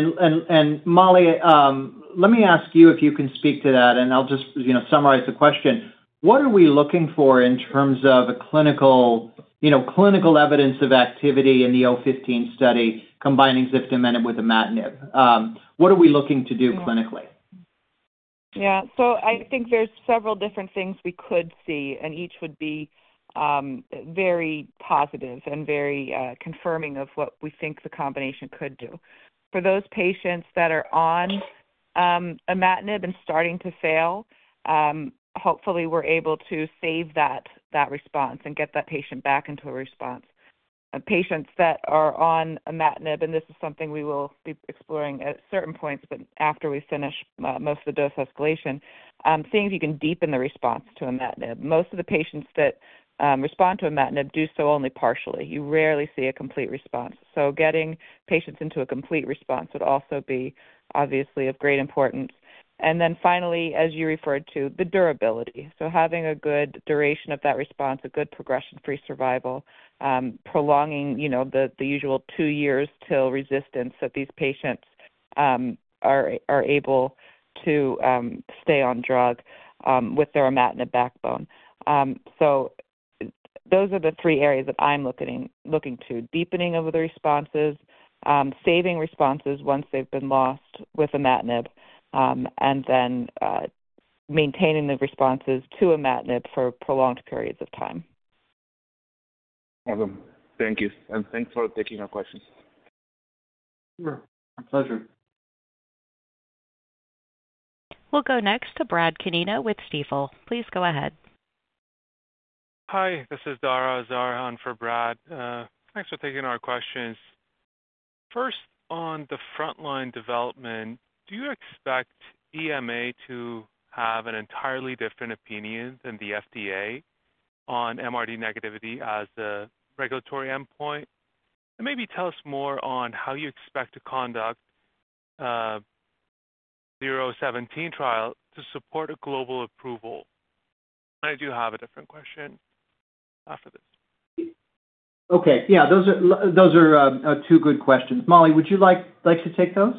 And Mollie, let me ask you if you can speak to that, and I'll just summarize the question. What are we looking for in terms of clinical evidence of activity in the KOMET-015 study combining ziftomenib with imatinib? What are we looking to do clinically? Yeah. So I think there's several different things we could see, and each would be very positive and very confirming of what we think the combination could do. For those patients that are on imatinib and starting to fail, hopefully, we're able to save that response and get that patient back into a response. Patients that are on imatinib, and this is something we will be exploring at certain points, but after we finish most of the dose escalation, seeing if you can deepen the response to imatinib. Most of the patients that respond to imatinib do so only partially. You rarely see a complete response. So getting patients into a complete response would also be obviously of great importance, and then finally, as you referred to, the durability. So, having a good duration of that response, a good progression-free survival, prolonging the usual two years till resistance that these patients are able to stay on drug with their imatinib backbone. So, those are the three areas that I'm looking to: deepening of the responses, saving responses once they've been lost with imatinib, and then maintaining the responses to imatinib for prolonged periods of time. Awesome. Thank you, and thanks for taking our questions. Sure. My pleasure. We'll go next to Brad Canino with Stifel. Please go ahead. Hi. This is Dara Azar on for Brad. Thanks for taking our questions. First, on the frontline development, do you expect EMA to have an entirely different opinion than the FDA on MRD negativity as a regulatory endpoint? And maybe tell us more on how you expect to conduct the KOMET-017 trial to support global approval. I do have a different question after this. Okay. Yeah. Those are two good questions. Mollie, would you like to take those?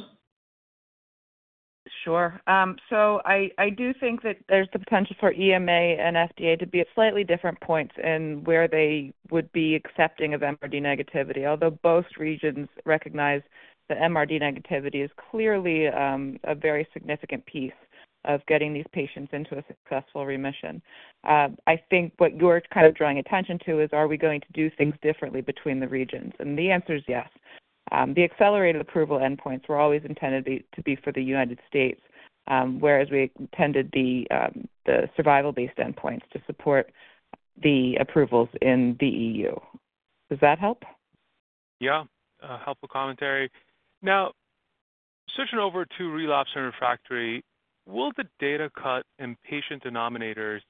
Sure. So I do think that there's the potential for EMA and FDA to be at slightly different points in where they would be accepting of MRD negativity, although both regions recognize that MRD negativity is clearly a very significant piece of getting these patients into a successful remission. I think what you're kind of drawing attention to is, are we going to do things differently between the regions? And the answer is yes. The accelerated approval endpoints were always intended to be for the United States, whereas we intended the survival-based endpoints to support the approvals in the EU. Does that help? Yeah. Helpful commentary. Now, switching over to relapsed and refractory, will the data cut in patient denominators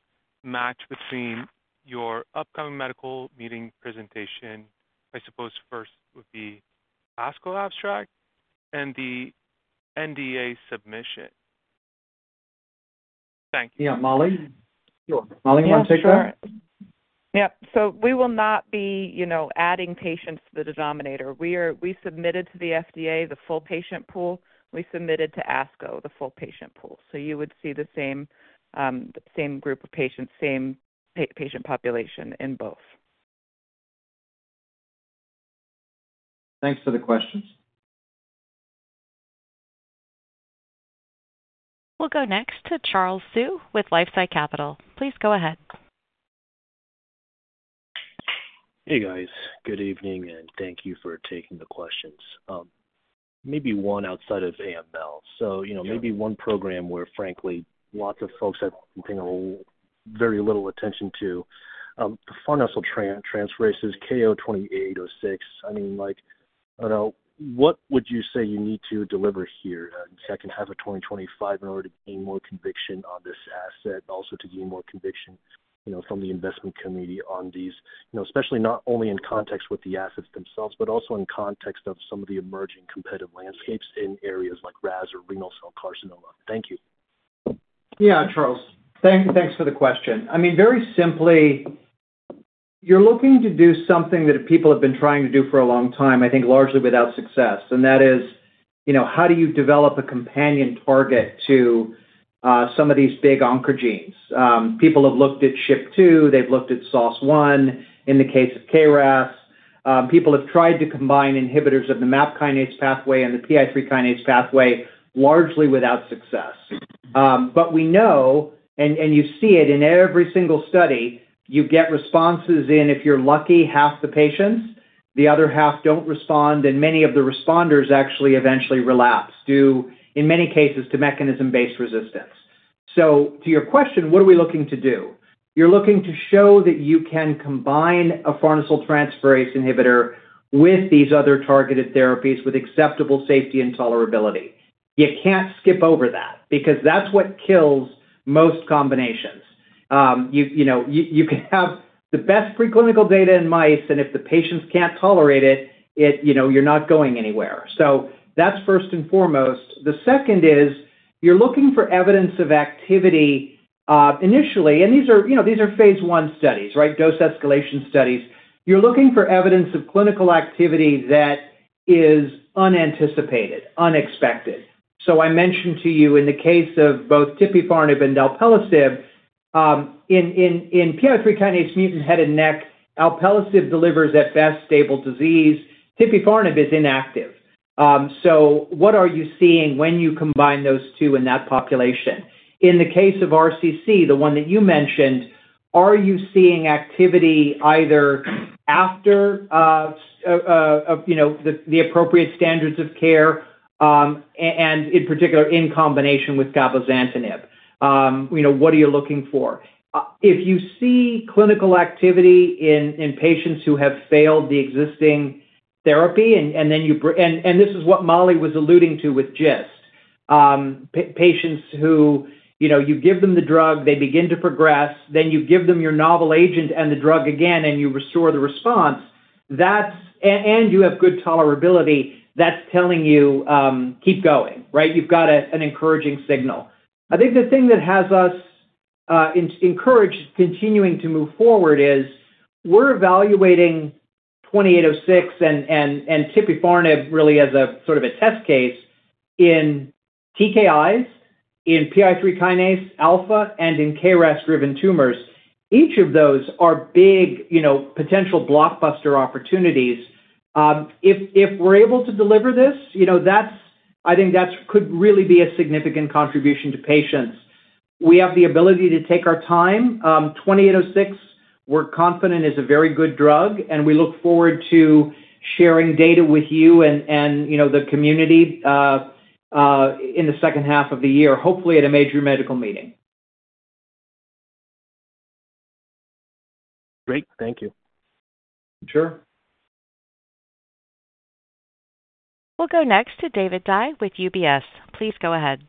match between your upcoming medical meeting presentation, I suppose first would be ASH abstract, and the NDA submission? Thank you. Yeah. Mollie? Sure. Mollie, you want to take that? Yeah. So we will not be adding patients to the denominator. We submitted to the FDA the full patient pool. We submitted to ASCO the full patient pool. So you would see the same group of patients, same patient population in both. Thanks for the questions. We'll go next to Charles Zhu with LifeSci Capital. Please go ahead. Hey, guys. Good evening, and thank you for taking the questions. Maybe one outside of AML. So maybe one program where, frankly, lots of folks are paying very little attention to. The farnesyltransferase, KO-2806. I mean, what would you say you need to deliver here in the second half of 2025 in order to gain more conviction on this asset, also to gain more conviction from the investment committee on these, especially not only in context with the assets themselves, but also in context of some of the emerging competitive landscapes in areas like RAS or renal cell carcinoma? Thank you. Yeah, Charles. Thanks for the question. I mean, very simply, you're looking to do something that people have been trying to do for a long time, I think largely without success. And that is, how do you develop a companion target to some of these big oncogenes? People have looked at SHIP2. They've looked at SOS1 in the case of KRAS. People have tried to combine inhibitors of the MAP kinase pathway and the PI3 kinase pathway largely without success. But we know, and you see it in every single study, you get responses in, if you're lucky, half the patients. The other half don't respond, and many of the responders actually eventually relapse, in many cases, to mechanism-based resistance. So to your question, what are we looking to do? You're looking to show that you can combine a farnesyltransferase inhibitor with these other targeted therapies with acceptable safety and tolerability. You can't skip over that because that's what kills most combinations. You can have the best preclinical data in mice, and if the patients can't tolerate it, you're not going anywhere. So that's first and foremost. The second is you're looking for evidence of activity initially, and these are Phase I studies, right, dose escalation studies. You're looking for evidence of clinical activity that is unanticipated, unexpected. So I mentioned to you in the case of both tipifarnib and alpelisib, in PI3 kinase mutant head and neck, alpelisib delivers at best stable disease. Tipifarnib is inactive. So what are you seeing when you combine those two in that population? In the case of RCC, the one that you mentioned, are you seeing activity either after the appropriate standards of care and, in particular, in combination with cabozantinib? What are you looking for? If you see clinical activity in patients who have failed the existing therapy, and this is what Mollie was alluding to with GIST, patients who you give them the drug, they begin to progress, then you give them your novel agent and the drug again, and you restore the response, and you have good tolerability, that's telling you, "Keep going," right? You've got an encouraging signal. I think the thing that has us encouraged continuing to move forward is we're evaluating 2806 and tipifarnib really as a sort of a test case in TKIs, in PI3 kinase alpha, and in KRAS-driven tumors. Each of those are big potential blockbuster opportunities. If we're able to deliver this, I think that could really be a significant contribution to patients. We have the ability to take our time. KO-2806, we're confident is a very good drug, and we look forward to sharing data with you and the community in the second half of the year, hopefully at a major medical meeting. Great. Thank you. Sure. We'll go next to David Dai with UBS. Please go ahead.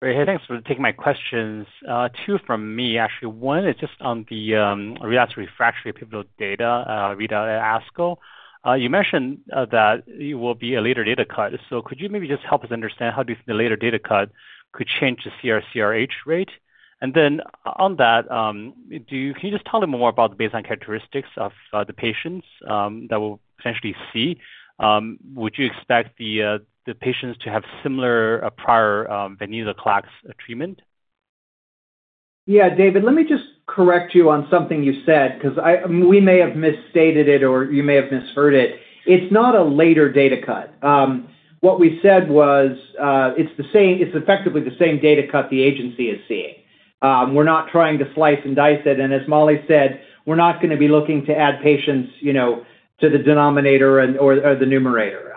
Hey, thanks for taking my questions. Two from me, actually. One is just on the relapsed/refractory NPM1 data readout at ASCO. You mentioned that it will be a later data cut. So could you maybe just help us understand how do you think the later data cut could change the CR/CRh rate? And then on that, can you just tell me more about the baseline characteristics of the patients that we'll potentially see? Would you expect the patients to have similar prior venetoclax treatment? Yeah, David, let me just correct you on something you said because we may have misstated it or you may have misheard it. It's not a later data cut. What we said was it's effectively the same data cut the agency is seeing. We're not trying to slice and dice it. And as Mollie said, we're not going to be looking to add patients to the denominator or the numerator.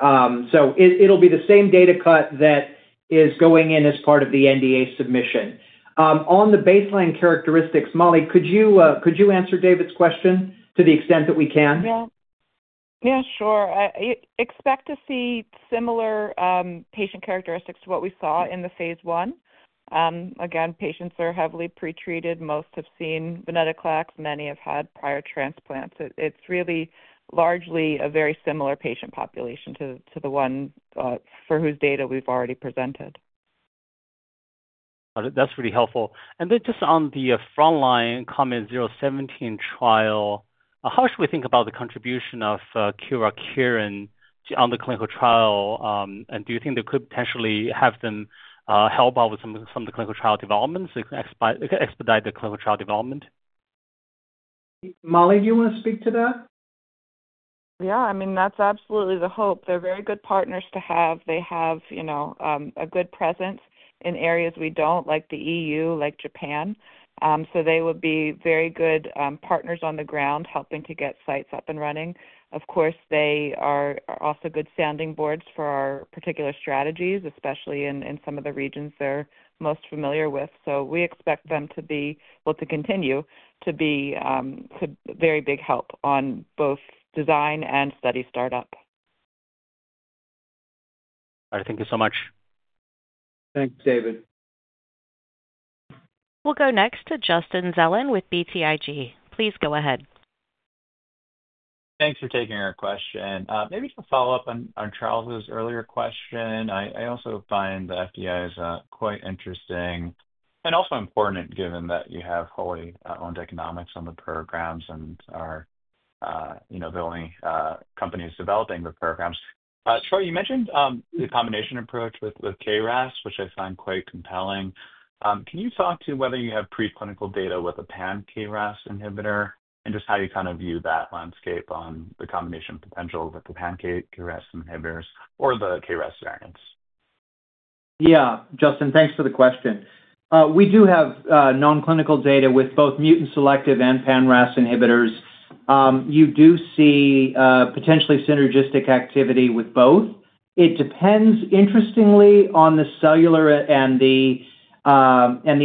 So it'll be the same data cut that is going in as part of the NDA submission. On the baseline characteristics, Mollie, could you answer David's question to the extent that we can? Yeah. Yeah, sure. Expect to see similar patient characteristics to what we saw in the Phase I. Again, patients are heavily pretreated. Most have seen venetoclax. Many have had prior transplants. It's really largely a very similar patient population to the one for whose data we've already presented. That's really helpful. And then just on the frontline comment, KOMET-017 trial, how should we think about the contribution of Kyowa Kirin on the clinical trial? And do you think they could potentially have them help out with some of the clinical trial developments? Expedite the clinical trial development? Mollie, do you want to speak to that? Yeah. I mean, that's absolutely the hope. They're very good partners to have. They have a good presence in areas we don't, like the EU, like Japan. So they would be very good partners on the ground helping to get sites up and running. Of course, they are also good sounding boards for our particular strategies, especially in some of the regions they're most familiar with. So we expect them to be, well, to continue to be a very big help on both design and study startup. All right. Thank you so much. Thanks, David. We'll go next to Justin Zelin with BTIG. Please go ahead. Thanks for taking our question. Maybe to follow up on Charles' earlier question, I also find the FDA is quite interesting and also important given that you have wholly owned economics on the programs and are the only companies developing the programs. Troy, you mentioned the combination approach with KRAS, which I find quite compelling. Can you talk to whether you have preclinical data with a pan-KRAS inhibitor and just how you kind of view that landscape on the combination potential with the pan-KRAS inhibitors or the KRAS variants? Yeah. Justin, thanks for the question. We do have nonclinical data with both mutant selective and pan-RAS inhibitors. You do see potentially synergistic activity with both. It depends, interestingly, on the cellular and the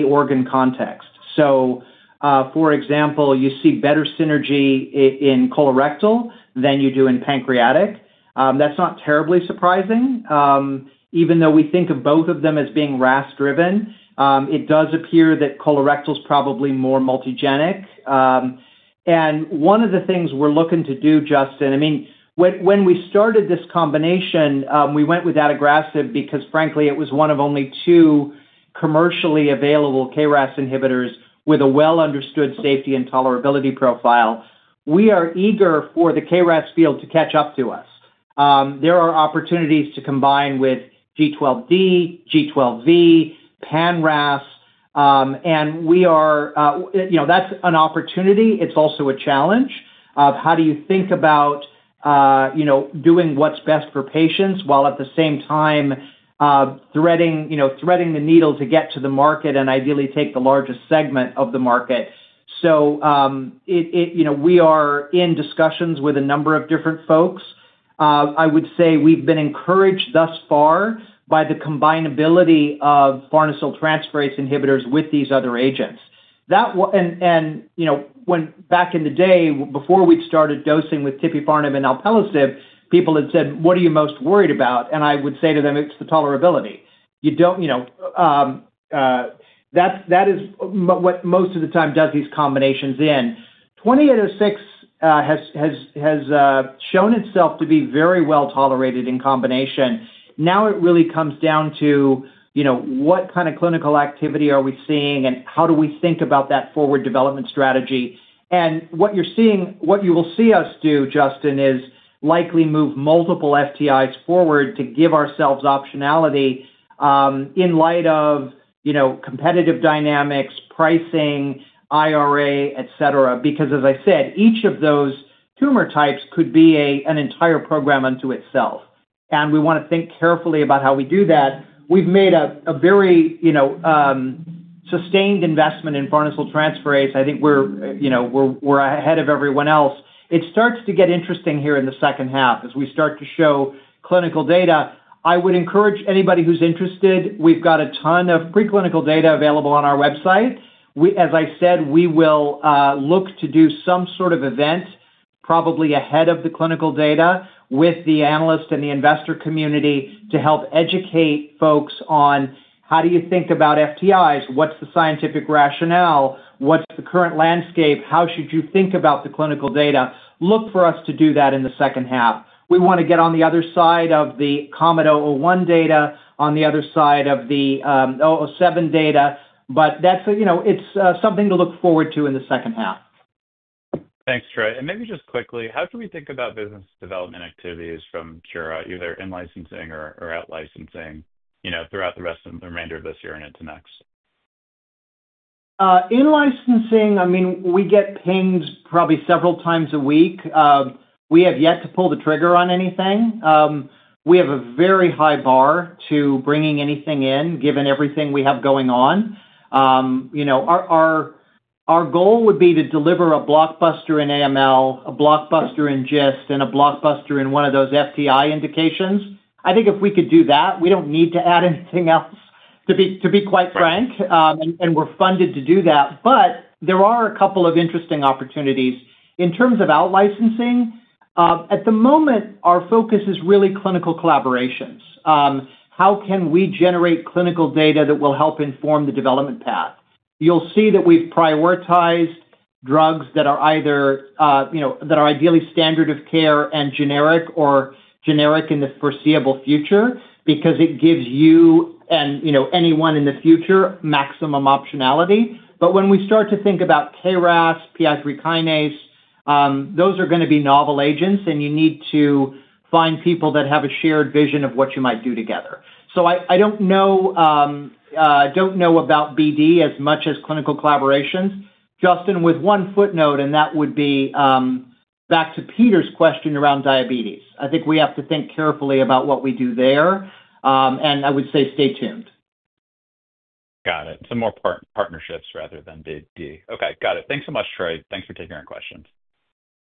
organ context. So, for example, you see better synergy in colorectal than you do in pancreatic. That's not terribly surprising. Even though we think of both of them as being RAS-driven, it does appear that colorectal is probably more multigenic. And one of the things we're looking to do, Justin, I mean, when we started this combination, we went with adagrasib because, frankly, it was one of only two commercially available KRAS inhibitors with a well-understood safety and tolerability profile. We are eager for the KRAS field to catch up to us. There are opportunities to combine with G12D, G12V, pan-RAS, and we are. That's an opportunity. It's also a challenge of how do you think about doing what's best for patients while at the same time threading the needle to get to the market and ideally take the largest segment of the market. So we are in discussions with a number of different folks. I would say we've been encouraged thus far by the combinability of farnesyltransferase inhibitors with these other agents. And back in the day, before we'd started dosing with tipifarnib and alpelisib, people had said, "What are you most worried about?" And I would say to them, "It's the tolerability." That is what most of the time does these combinations in. KO-2806 has shown itself to be very well tolerated in combination. Now it really comes down to what kind of clinical activity are we seeing and how do we think about that forward development strategy. What you will see us do, Justin, is likely move multiple FTIs forward to give ourselves optionality in light of competitive dynamics, pricing, IRA, etc. Because, as I said, each of those tumor types could be an entire program unto itself. We want to think carefully about how we do that. We've made a very sustained investment in farnesyltransferase. I think we're ahead of everyone else. It starts to get interesting here in the second half as we start to show clinical data. I would encourage anybody who's interested. We've got a ton of preclinical data available on our website. As I said, we will look to do some sort of event probably ahead of the clinical data with the analyst and the investor community to help educate folks on how do you think about FTIs? What's the scientific rationale? What's the current landscape? How should you think about the clinical data? Look for us to do that in the second half. We want to get on the other side of the KOMET-001 data, on the other side of the KOMET-017 data, but it's something to look forward to in the second half. Thanks, Troy. And maybe just quickly, how should we think about business development activities from Kura, either in licensing or out licensing throughout the rest of the remainder of this year and into next? In-licensing, I mean, we get pings probably several times a week. We have yet to pull the trigger on anything. We have a very high bar to bringing anything in given everything we have going on. Our goal would be to deliver a blockbuster in AML, a blockbuster in GIST, and a blockbuster in one of those FTI indications. I think if we could do that, we don't need to add anything else, to be quite frank, and we're funded to do that. But there are a couple of interesting opportunities. In terms of out-licensing, at the moment, our focus is really clinical collaborations. How can we generate clinical data that will help inform the development path? You'll see that we've prioritized drugs that are either ideally standard of care and generic or generic in the foreseeable future because it gives you and anyone in the future maximum optionality. But when we start to think about KRAS, PI3 kinase, those are going to be novel agents, and you need to find people that have a shared vision of what you might do together. So I don't know about BD as much as clinical collaborations. Justin, with one footnote, and that would be back to Peter's question around diabetes. I think we have to think carefully about what we do there, and I would say stay tuned. Got it. So more partnerships rather than BD. Okay. Got it. Thanks so much, Troy. Thanks for taking our questions.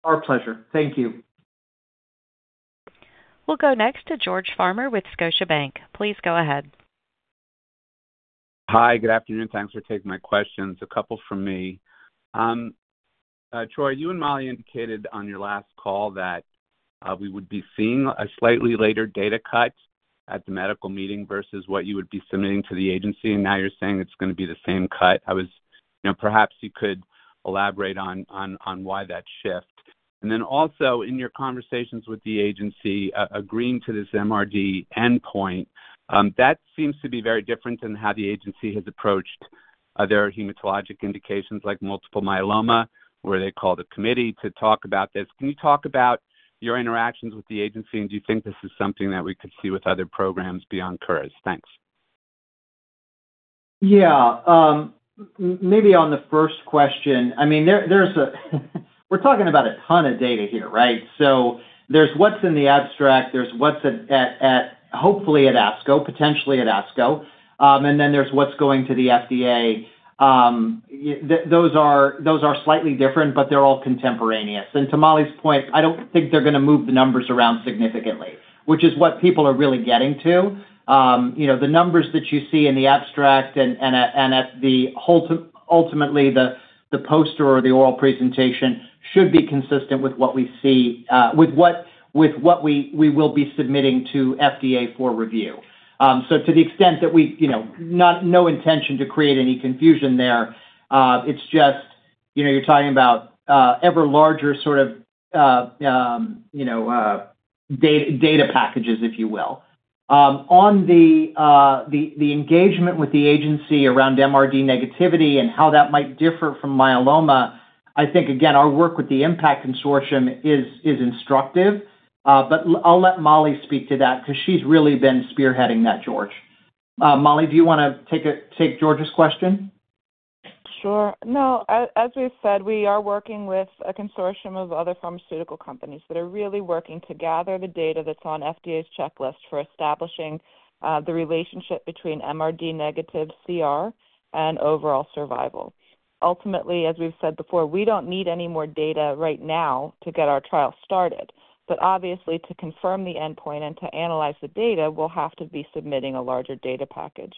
Our pleasure. Thank you. We'll go next to George Farmer with Scotiabank. Please go ahead. Hi. Good afternoon. Thanks for taking my questions. A couple from me. Troy, you and Mollie indicated on your last call that we would be seeing a slightly later data cut at the medical meeting versus what you would be submitting to the agency, and now you're saying it's going to be the same cut. Perhaps you could elaborate on why that shift. And then also, in your conversations with the agency agreeing to this MRD endpoint, that seems to be very different than how the agency has approached their hematologic indications like multiple myeloma, where they called a committee to talk about this. Can you talk about your interactions with the agency, and do you think this is something that we could see with other programs beyond Kura's? Thanks. Yeah. Maybe on the first question, I mean, we're talking about a ton of data here, right? So there's what's in the abstract, there's what's hopefully at ASCO, potentially at ASCO, and then there's what's going to the FDA. Those are slightly different, but they're all contemporaneous. And to Mollie's point, I don't think they're going to move the numbers around significantly, which is what people are really getting to. The numbers that you see in the abstract and ultimately the poster or the oral presentation should be consistent with what we see, with what we will be submitting to FDA for review. So to the extent that we have no intention to create any confusion there, it's just you're talking about ever larger sort of data packages, if you will. On the engagement with the agency around MRD negativity and how that might differ from myeloma, I think, again, our work with the IMPACT Consortium is instructive, but I'll let Mollie speak to that because she's really been spearheading that, George. Mollie, do you want to take George's question? Sure. No, as we said, we are working with a consortium of other pharmaceutical companies that are really working to gather the data that's on FDA's checklist for establishing the relationship between MRD-negative CR and overall survival. Ultimately, as we've said before, we don't need any more data right now to get our trial started. But obviously, to confirm the endpoint and to analyze the data, we'll have to be submitting a larger data package.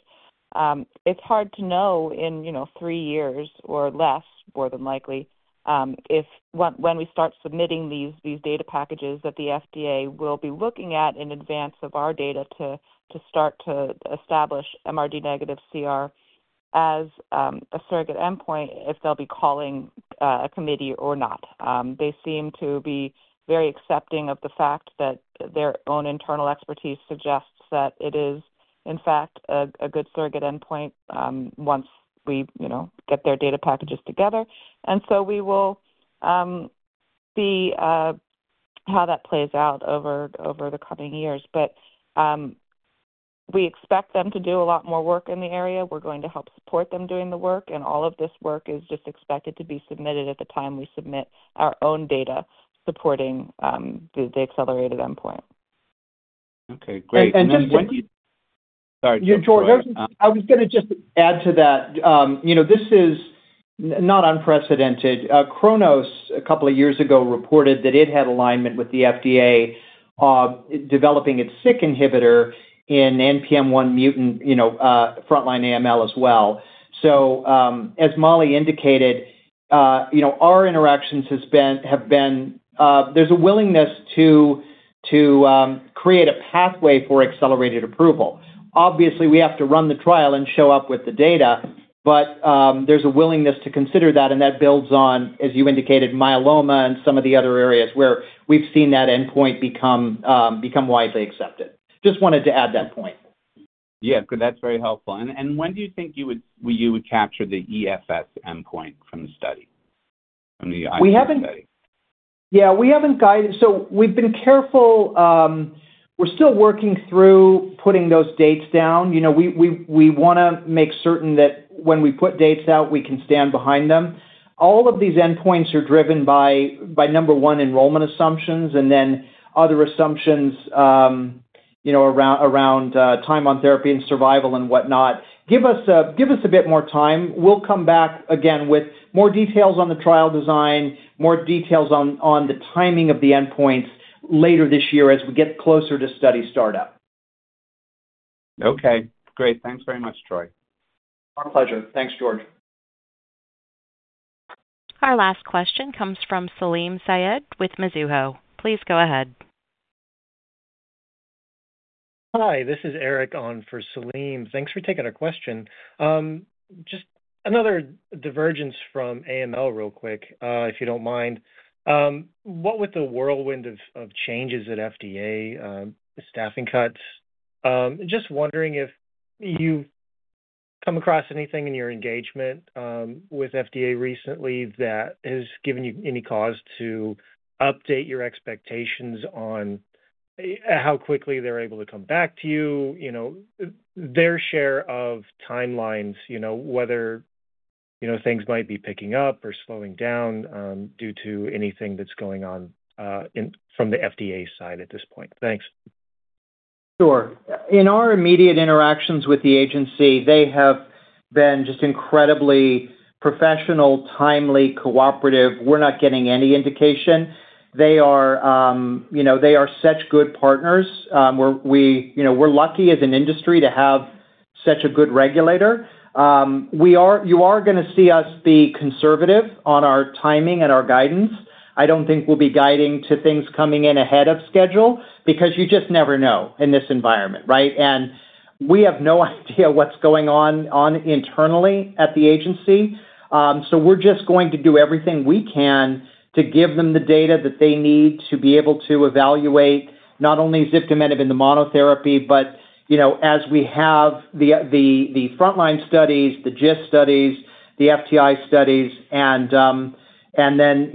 It's hard to know in three years or less, more than likely, when we start submitting these data packages that the FDA will be looking at in advance of our data to start to establish MRD-negative CR as a surrogate endpoint if they'll be calling a committee or not. They seem to be very accepting of the fact that their own internal expertise suggests that it is, in fact, a good surrogate endpoint once we get their data packages together, and so we will see how that plays out over the coming years, but we expect them to do a lot more work in the area. We're going to help support them doing the work, and all of this work is just expected to be submitted at the time we submit our own data supporting the accelerated endpoint. Okay. Great. And just. Sorry. George, I was going to just add to that. This is not unprecedented. Kronos, a couple of years ago, reported that it had alignment with the FDA developing its menin inhibitor in NPM1 mutant frontline AML as well. So, as Mollie indicated, our interactions have been there's a willingness to create a pathway for accelerated approval. Obviously, we have to run the trial and show up with the data, but there's a willingness to consider that, and that builds on, as you indicated, myeloma and some of the other areas where we've seen that endpoint become widely accepted. Just wanted to add that point. Yeah. That's very helpful, and when do you think you would capture the EFS endpoint from the study? From the IC study? Yeah. We haven't guided so we've been careful. We're still working through putting those dates down. We want to make certain that when we put dates out, we can stand behind them. All of these endpoints are driven by, number one, enrollment assumptions and then other assumptions around time on therapy and survival and whatnot. Give us a bit more time. We'll come back again with more details on the trial design, more details on the timing of the endpoints later this year as we get closer to study startup. Okay. Great. Thanks very much, Troy. Our pleasure. Thanks, George. Our last question comes from Salim Syed with Mizuho. Please go ahead. Hi. This is Eric on for Salim. Thanks for taking our question. Just another divergence from AML real quick, if you don't mind. What with the whirlwind of changes at FDA, staffing cuts, just wondering if you've come across anything in your engagement with FDA recently that has given you any cause to update your expectations on how quickly they're able to come back to you, their share of timelines, whether things might be picking up or slowing down due to anything that's going on from the FDA side at this point? Thanks. Sure. In our immediate interactions with the agency, they have been just incredibly professional, timely, cooperative. We're not getting any indication. They are such good partners. We're lucky as an industry to have such a good regulator. You are going to see us be conservative on our timing and our guidance. I don't think we'll be guiding to things coming in ahead of schedule because you just never know in this environment, right? We have no idea what's going on internally at the agency. So we're just going to do everything we can to give them the data that they need to be able to evaluate not only ziftomenib in the monotherapy, but as we have the frontline studies, the GIST studies, the FTI studies, and then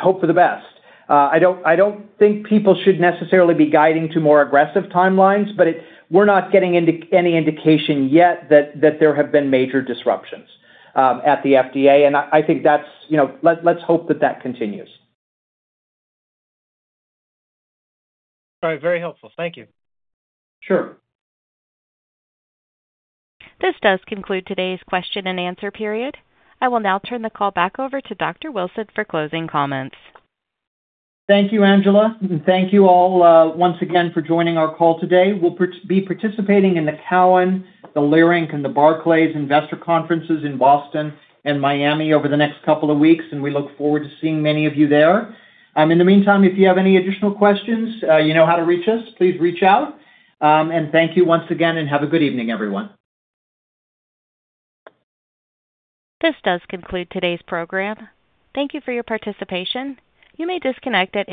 hope for the best. I don't think people should necessarily be guiding to more aggressive timelines, but we're not getting any indication yet that there have been major disruptions at the FDA, and I think let's hope that that continues. All right. Very helpful. Thank you. Sure. This does conclude today's question and answer period. I will now turn the call back over to Dr. Wilson for closing comments. Thank you, Angela. And thank you all once again for joining our call today. We'll be participating in the Cowen, the Leerink, and the Barclays investor conferences in Boston and Miami over the next couple of weeks, and we look forward to seeing many of you there. In the meantime, if you have any additional questions, you know how to reach us. Please reach out. And thank you once again, and have a good evening, everyone. This does conclude today's program. Thank you for your participation. You may disconnect at.